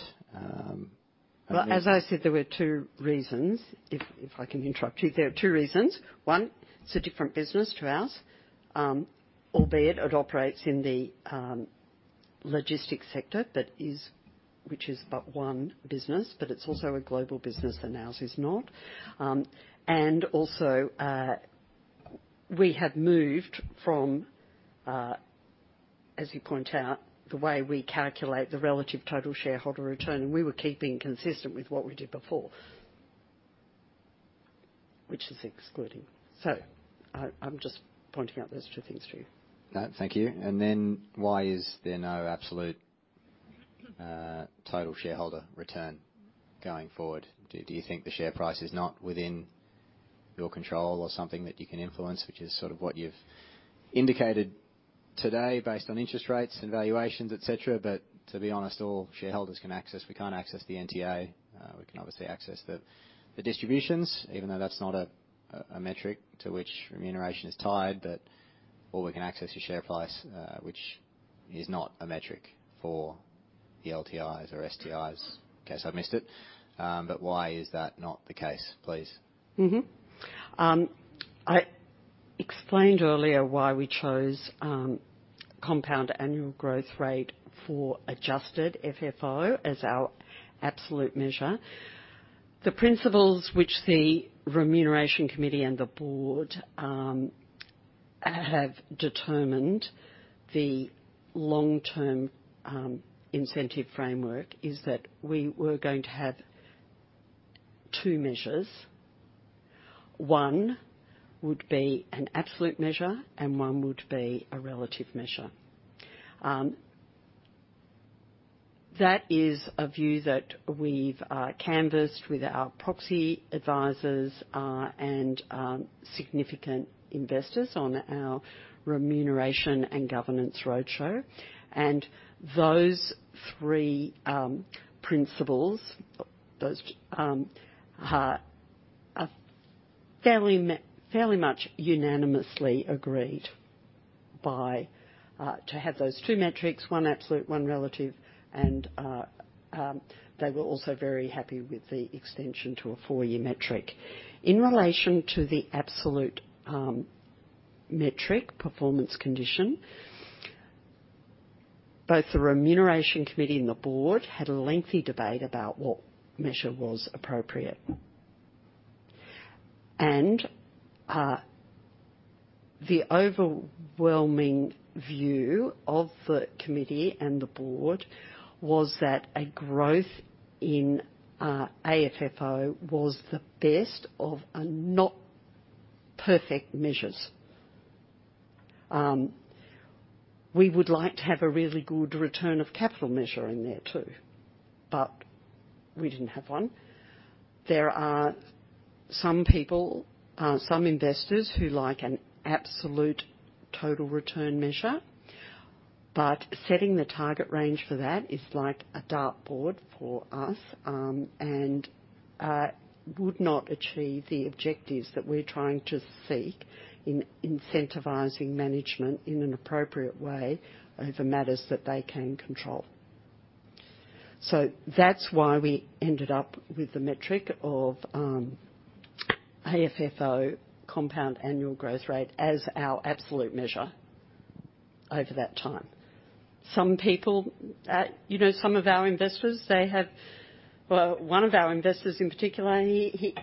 Well, as I said, there were two reasons, if I can interrupt you. There are two reasons. One, it's a different business to ours, albeit it operates in the logistics sector, which is but one business, but it's also a global business, and ours is not. And also, we have moved from, as you point out, the way we calculate the Relative Total Shareholder Return, and we were keeping consistent with what we did before, which is excluding. So I'm just pointing out those two things to you. Thank you. And then why is there no absolute total shareholder return going forward? Do you think the share price is not within your control or something that you can influence, which is sort of what you've indicated today based on interest rates and valuations, etc.? But to be honest, all shareholders can access, we can't access the NTA. We can obviously access the distributions, even though that's not a metric to which remuneration is tied, but all we can access is share price, which is not a metric for the LTIs or STIs. Okay, so I've missed it. But why is that not the case? Please. I explained earlier why we chose compound annual growth rate for adjusted FFO as our absolute measure. The principles which the remuneration committee and the board have determined the long-term incentive framework is that we were going to have two measures. One would be an absolute measure, and one would be a relative measure. That is a view that we've canvassed with our proxy advisors and significant investors on our remuneration and governance roadshow. Those three principles are fairly much unanimously agreed to have those two metrics, one absolute, one relative, and they were also very happy with the extension to a four-year metric. In relation to the absolute metric, performance condition, both the remuneration committee and the board had a lengthy debate about what measure was appropriate. The overwhelming view of the committee and the board was that a growth in AFFO was the best of not-perfect measures. We would like to have a really good return of capital measure in there too, but we didn't have one. There are some investors who like an absolute total return measure, but setting the target range for that is like a dartboard for us and would not achieve the objectives that we're trying to seek in incentivizing management in an appropriate way over matters that they can control. So that's why we ended up with the metric of AFFO compound annual growth rate as our absolute measure over that time. Some of our investors, they have well, one of our investors in particular, he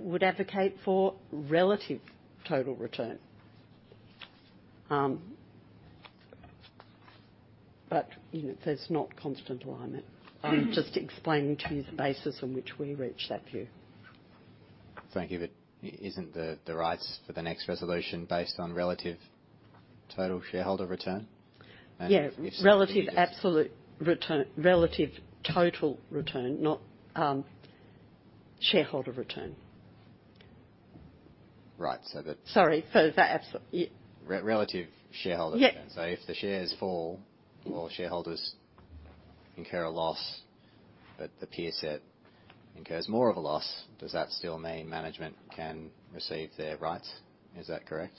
would advocate for relative total return, but there's not constant alignment. I'm just explaining to you the basis on which we reach that view. Thank you. But isn't the rights for the next resolution based on Relative Total Shareholder Return? And if. Yeah. Relative total return, not shareholder return. Right. So the. Sorry. For the. Relative shareholder return. So if the shares fall or shareholders incur a loss, but the peer set incurs more of a loss, does that still mean management can receive their rights? Is that correct?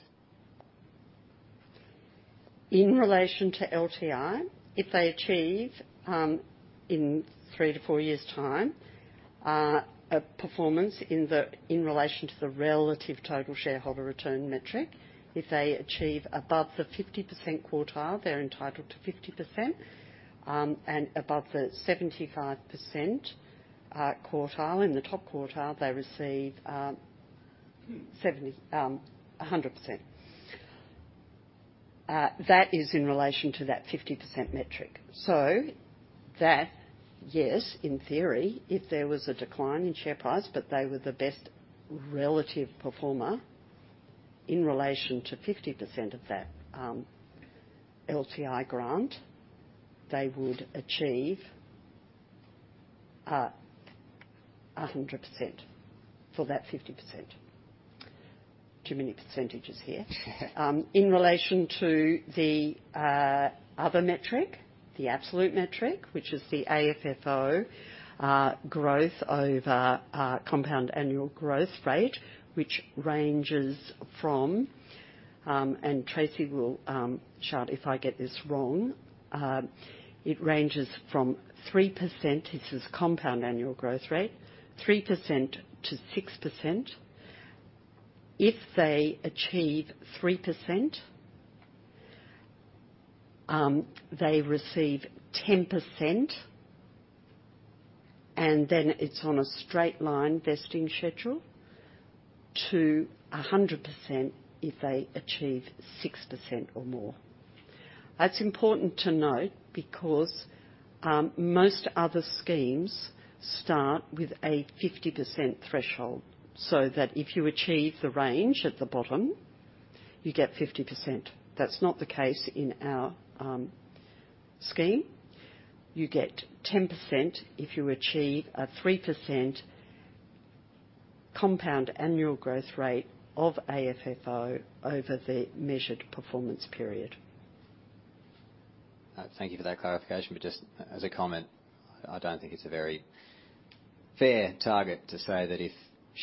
In relation to LTI, if they achieve in 3-4 years' time a performance in relation to the Relative Total Shareholder Return metric, if they achieve above the 50% quartile, they're entitled to 50%. And above the 75% quartile, in the top quartile, they receive 100%. That is in relation to that 50% metric. So yes, in theory, if there was a decline in share price, but they were the best relative performer in relation to 50% of that LTI grant, they would achieve 100% for that 50%. Too many percentages here. In relation to the other metric, the absolute metric, which is the AFFO growth over compound annual growth rate, which ranges from and Tracey will chart if I get this wrong. It ranges from 3%-6%. If they achieve 3%, they receive 10%, and then it's on a straight-line vesting schedule, to 100% if they achieve 6% or more. That's important to note because most other schemes start with a 50% threshold so that if you achieve the range at the bottom, you get 50%. That's not the case in our scheme. You get 10% if you achieve a 3% compound annual growth rate of AFFO over the measured performance period. Thank you for that clarification. But just as a comment, I don't think it's a very fair target to say that if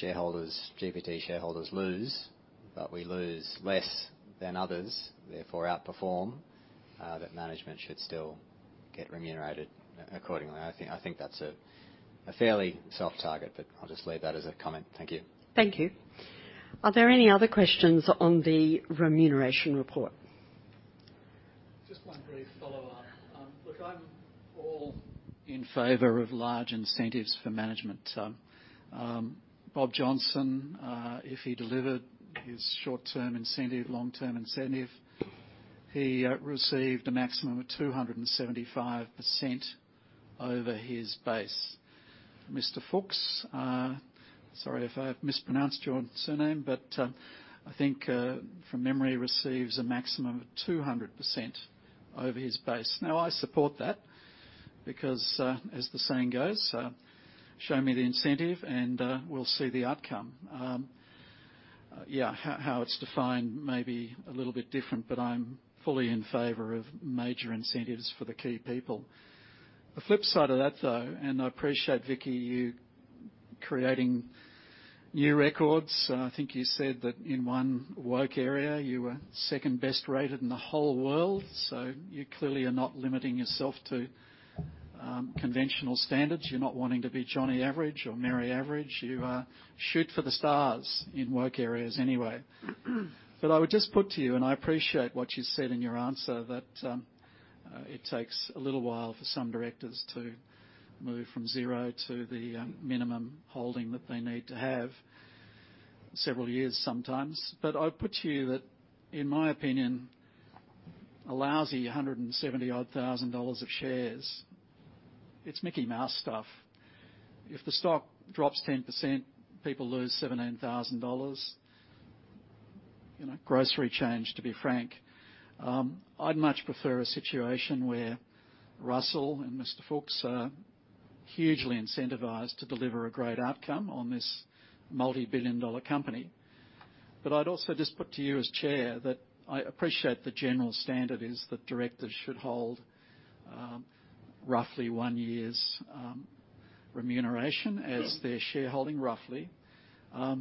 GPT shareholders lose, but we lose less than others, therefore outperform, that management should still get remunerated accordingly. I think that's a fairly soft target, but I'll just leave that as a comment. Thank you. Thank you. Are there any other questions on the remuneration report? Just one brief follow-up. Look, I'm all in favor of large incentives for management. Bob Johnston, if he delivered his short-term incentive, long-term incentive, he received a maximum of 275% over his base. Mr. Fookes sorry if I've mispronounced your surname, but I think, from memory, receives a maximum of 200% over his base. Now, I support that because, as the saying goes, "Show me the incentive, and we'll see the outcome." Yeah, how it's defined may be a little bit different, but I'm fully in favor of major incentives for the key people. The flip side of that, though and I appreciate, Vickki, you creating new records. I think you said that in one work area, you were second-best rated in the whole world. So you clearly are not limiting yourself to conventional standards. You're not wanting to be Johnny Average or Mary Average. You shoot for the stars in work areas anyway. But I would just put to you, and I appreciate what you said in your answer, that it takes a little while for some directors to move from zero to the minimum holding that they need to have, several years sometimes. But I would put to you that, in my opinion, a lousy 170-odd thousand dollars of shares, it's Mickey Mouse stuff. If the stock drops 10%, people lose 17,000 dollars grocery change, to be frank. I'd much prefer a situation where Russell and Mr. Fookes are hugely incentivised to deliver a great outcome on this multi-billion-dollar company. But I'd also just put to you as chair that I appreciate the general standard is that directors should hold roughly one year's remuneration as their shareholding, roughly.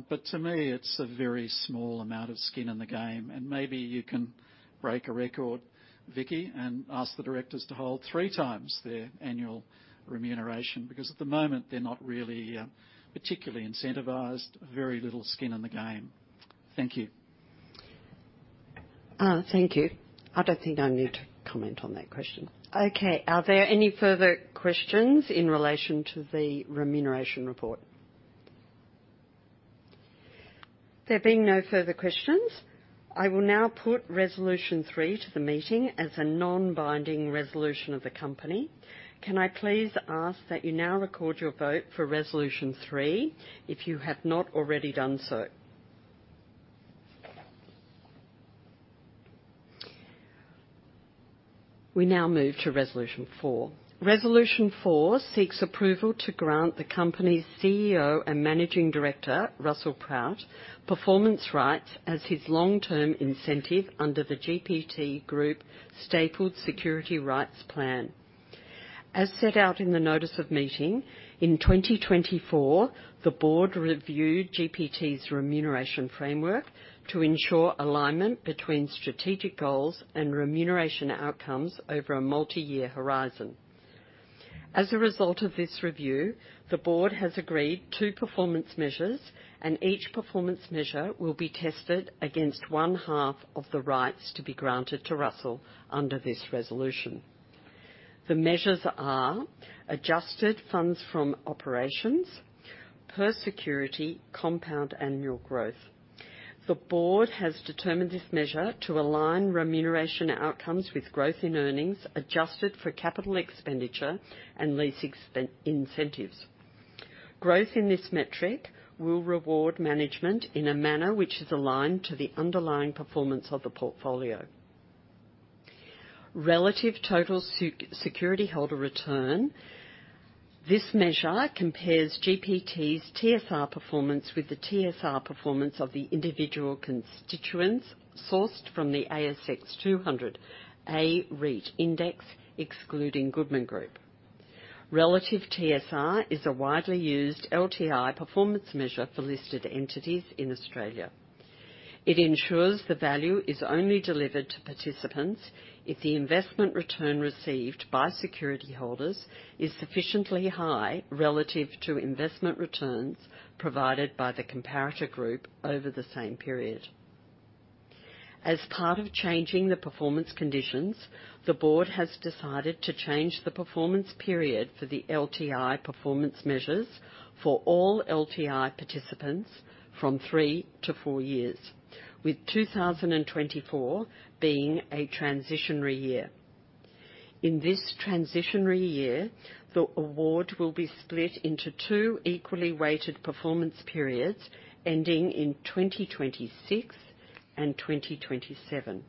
But to me, it's a very small amount of skin in the game. Maybe you can break a record, Vickki, and ask the directors to hold three times their annual remuneration because, at the moment, they're not really particularly incentivised, very little skin in the game. Thank you. Thank you. I don't think I need to comment on that question. Okay. Are there any further questions in relation to the remuneration report? There being no further questions, I will now put resolution three to the meeting as a non-binding resolution of the company. Can I please ask that you now record your vote for resolution three if you have not already done so? We now move to resolution four. Resolution four seeks approval to grant the company's CEO and Managing Director, Russell Proutt, performance rights as his long-term incentive under the GPT Group Stapled Security Rights Plan. As set out in the notice of meeting, in 2024, the board reviewed GPT's remuneration framework to ensure alignment between strategic goals and remuneration outcomes over a multi-year horizon. As a result of this review, the board has agreed two performance measures, and each performance measure will be tested against one-half of the rights to be granted to Russell under this resolution. The measures are Adjusted Funds From Operations, per security compound annual growth. The board has determined this measure to align remuneration outcomes with growth in earnings adjusted for capital expenditure and lease incentives. Growth in this metric will reward management in a manner which is aligned to the underlying performance of the portfolio. Relative Total Security Holder Return. This measure compares GPT's TSR performance with the TSR performance of the individual constituents sourced from the ASX 200, a REIT index excluding Goodman Group. Relative TSR is a widely used LTI performance measure for listed entities in Australia. It ensures the value is only delivered to participants if the investment return received by security holders is sufficiently high relative to investment returns provided by the comparator group over the same period. As part of changing the performance conditions, the board has decided to change the performance period for the LTI performance measures for all LTI participants from three to four years, with 2024 being a transitionary year. In this transitionary year, the award will be split into two equally weighted performance periods ending in 2026 and 2027.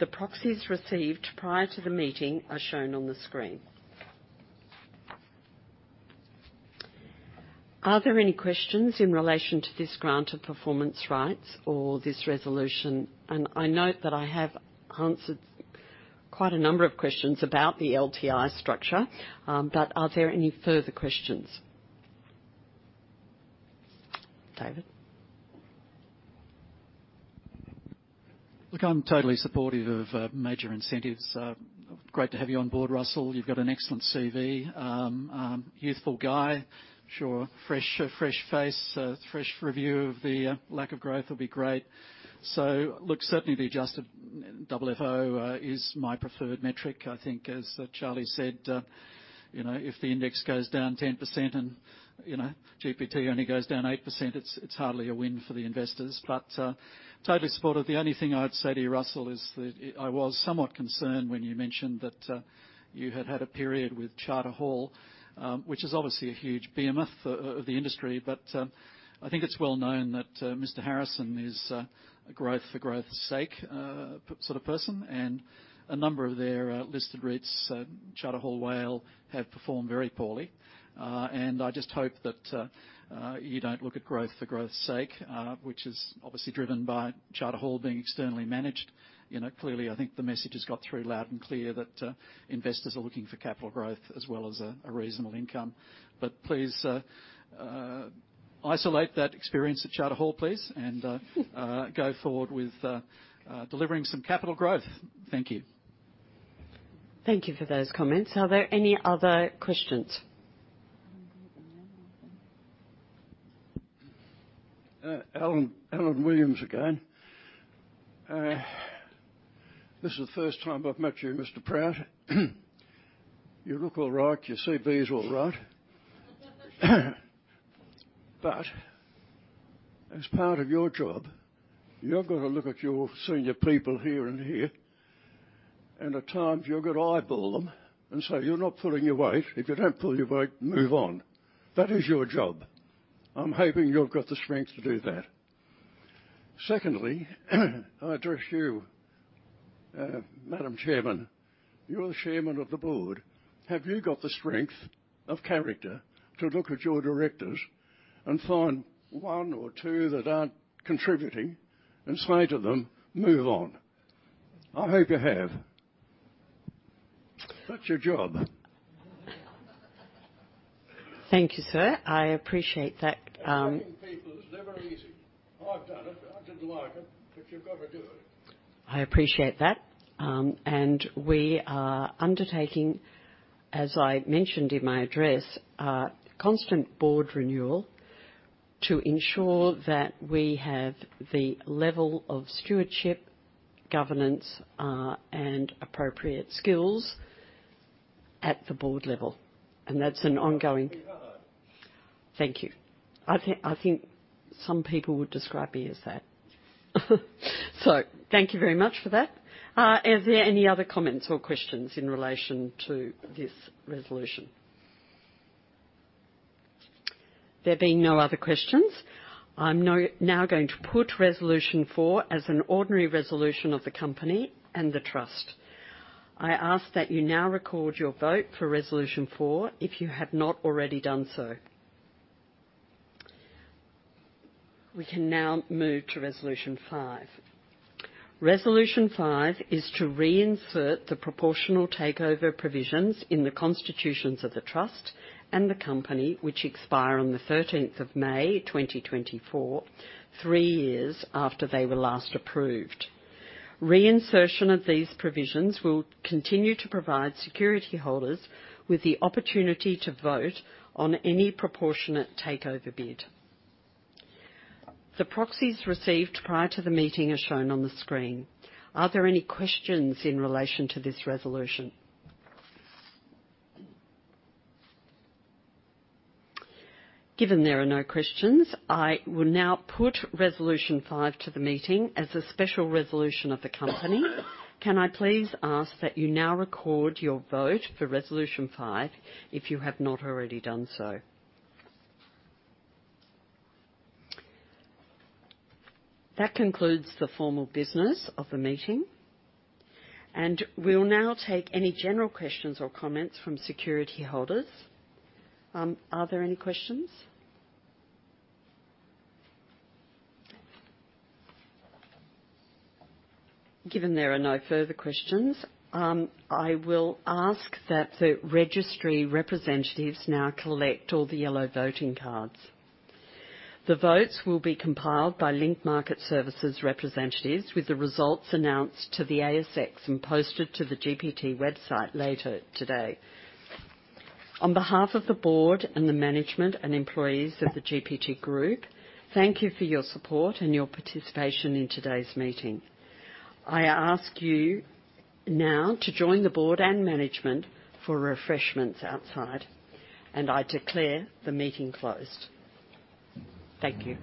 The proxies received prior to the meeting are shown on the screen. Are there any questions in relation to this grant of performance rights or this resolution? I note that I have answered quite a number of questions about the LTI structure, but are there any further questions? David? Look, I'm totally supportive of major incentives. Great to have you on board, Russell. You've got an excellent CV, youthful guy, sure, fresh face. Fresh review of the lack of growth will be great. So look, certainly, the adjusted FFO is my preferred metric. I think, as Charlie said, if the index goes down 10% and GPT only goes down 8%, it's hardly a win for the investors. But totally supportive. The only thing I'd say to you, Russell, is that I was somewhat concerned when you mentioned that you had had a period with Charter Hall, which is obviously a huge behemoth of the industry. But I think it's well known that Mr. Harrison is a growth-for-growth's sake sort of person, and a number of their listed REITs, Charter Hall, WALE, have performed very poorly. And I just hope that you don't look at growth for growth's sake, which is obviously driven by Charter Hall being externally managed. Clearly, I think the message has got through loud and clear that investors are looking for capital growth as well as a reasonable income. But please isolate that experience at Charter Hall, please, and go forward with delivering some capital growth. Thank you. Thank you for those comments. Are there any other questions? Alan Williams again. This is the first time I've met you, Mr. Proutt. You look all right. Your CV's all right. But as part of your job, you've got to look at your senior people here and here. And at times, you've got to eyeball them and say, "You're not pulling your weight. If you don't pull your weight, move on." That is your job. I'm hoping you've got the strength to do that. Secondly, I address you, Madam Chairman. You're the chairman of the board. Have you got the strength of character to look at your directors and find one or two that aren't contributing and say to them, "Move on"? I hope you have. That's your job. Thank you, sir. I appreciate that. Young people's never easy. I've done it. I didn't like it, but you've got to do it. I appreciate that. We are undertaking, as I mentioned in my address, constant board renewal to ensure that we have the level of stewardship, governance, and appropriate skills at the board level. That's an ongoing. Thank you. I think some people would describe me as that. So thank you very much for that. Are there any other comments or questions in relation to this resolution? There being no other questions, I'm now going to put resolution four as an ordinary resolution of the company and the trust. I ask that you now record your vote for resolution four if you have not already done so. We can now move to resolution five. Resolution five is to reinsert the proportional takeover provisions in the constitutions of the trust and the company, which expire on the 13th of May, 2024, three years after they were last approved. Reinsertion of these provisions will continue to provide security holders with the opportunity to vote on any proportionate takeover bid. The proxies received prior to the meeting are shown on the screen. Are there any questions in relation to this resolution? Given there are no questions, I will now put resolution five to the meeting as a special resolution of the company. Can I please ask that you now record your vote for resolution five if you have not already done so? That concludes the formal business of the meeting. We'll now take any general questions or comments from security holders. Are there any questions? Given there are no further questions, I will ask that the registry representatives now collect all the yellow voting cards. The votes will be compiled by Link Market Services representatives with the results announced to the ASX and posted to the GPT website later today. On behalf of the board and the management and employees of the GPT Group, thank you for your support and your participation in today's meeting. I ask you now to join the board and management for refreshments outside, and I declare the meeting closed. Thank you.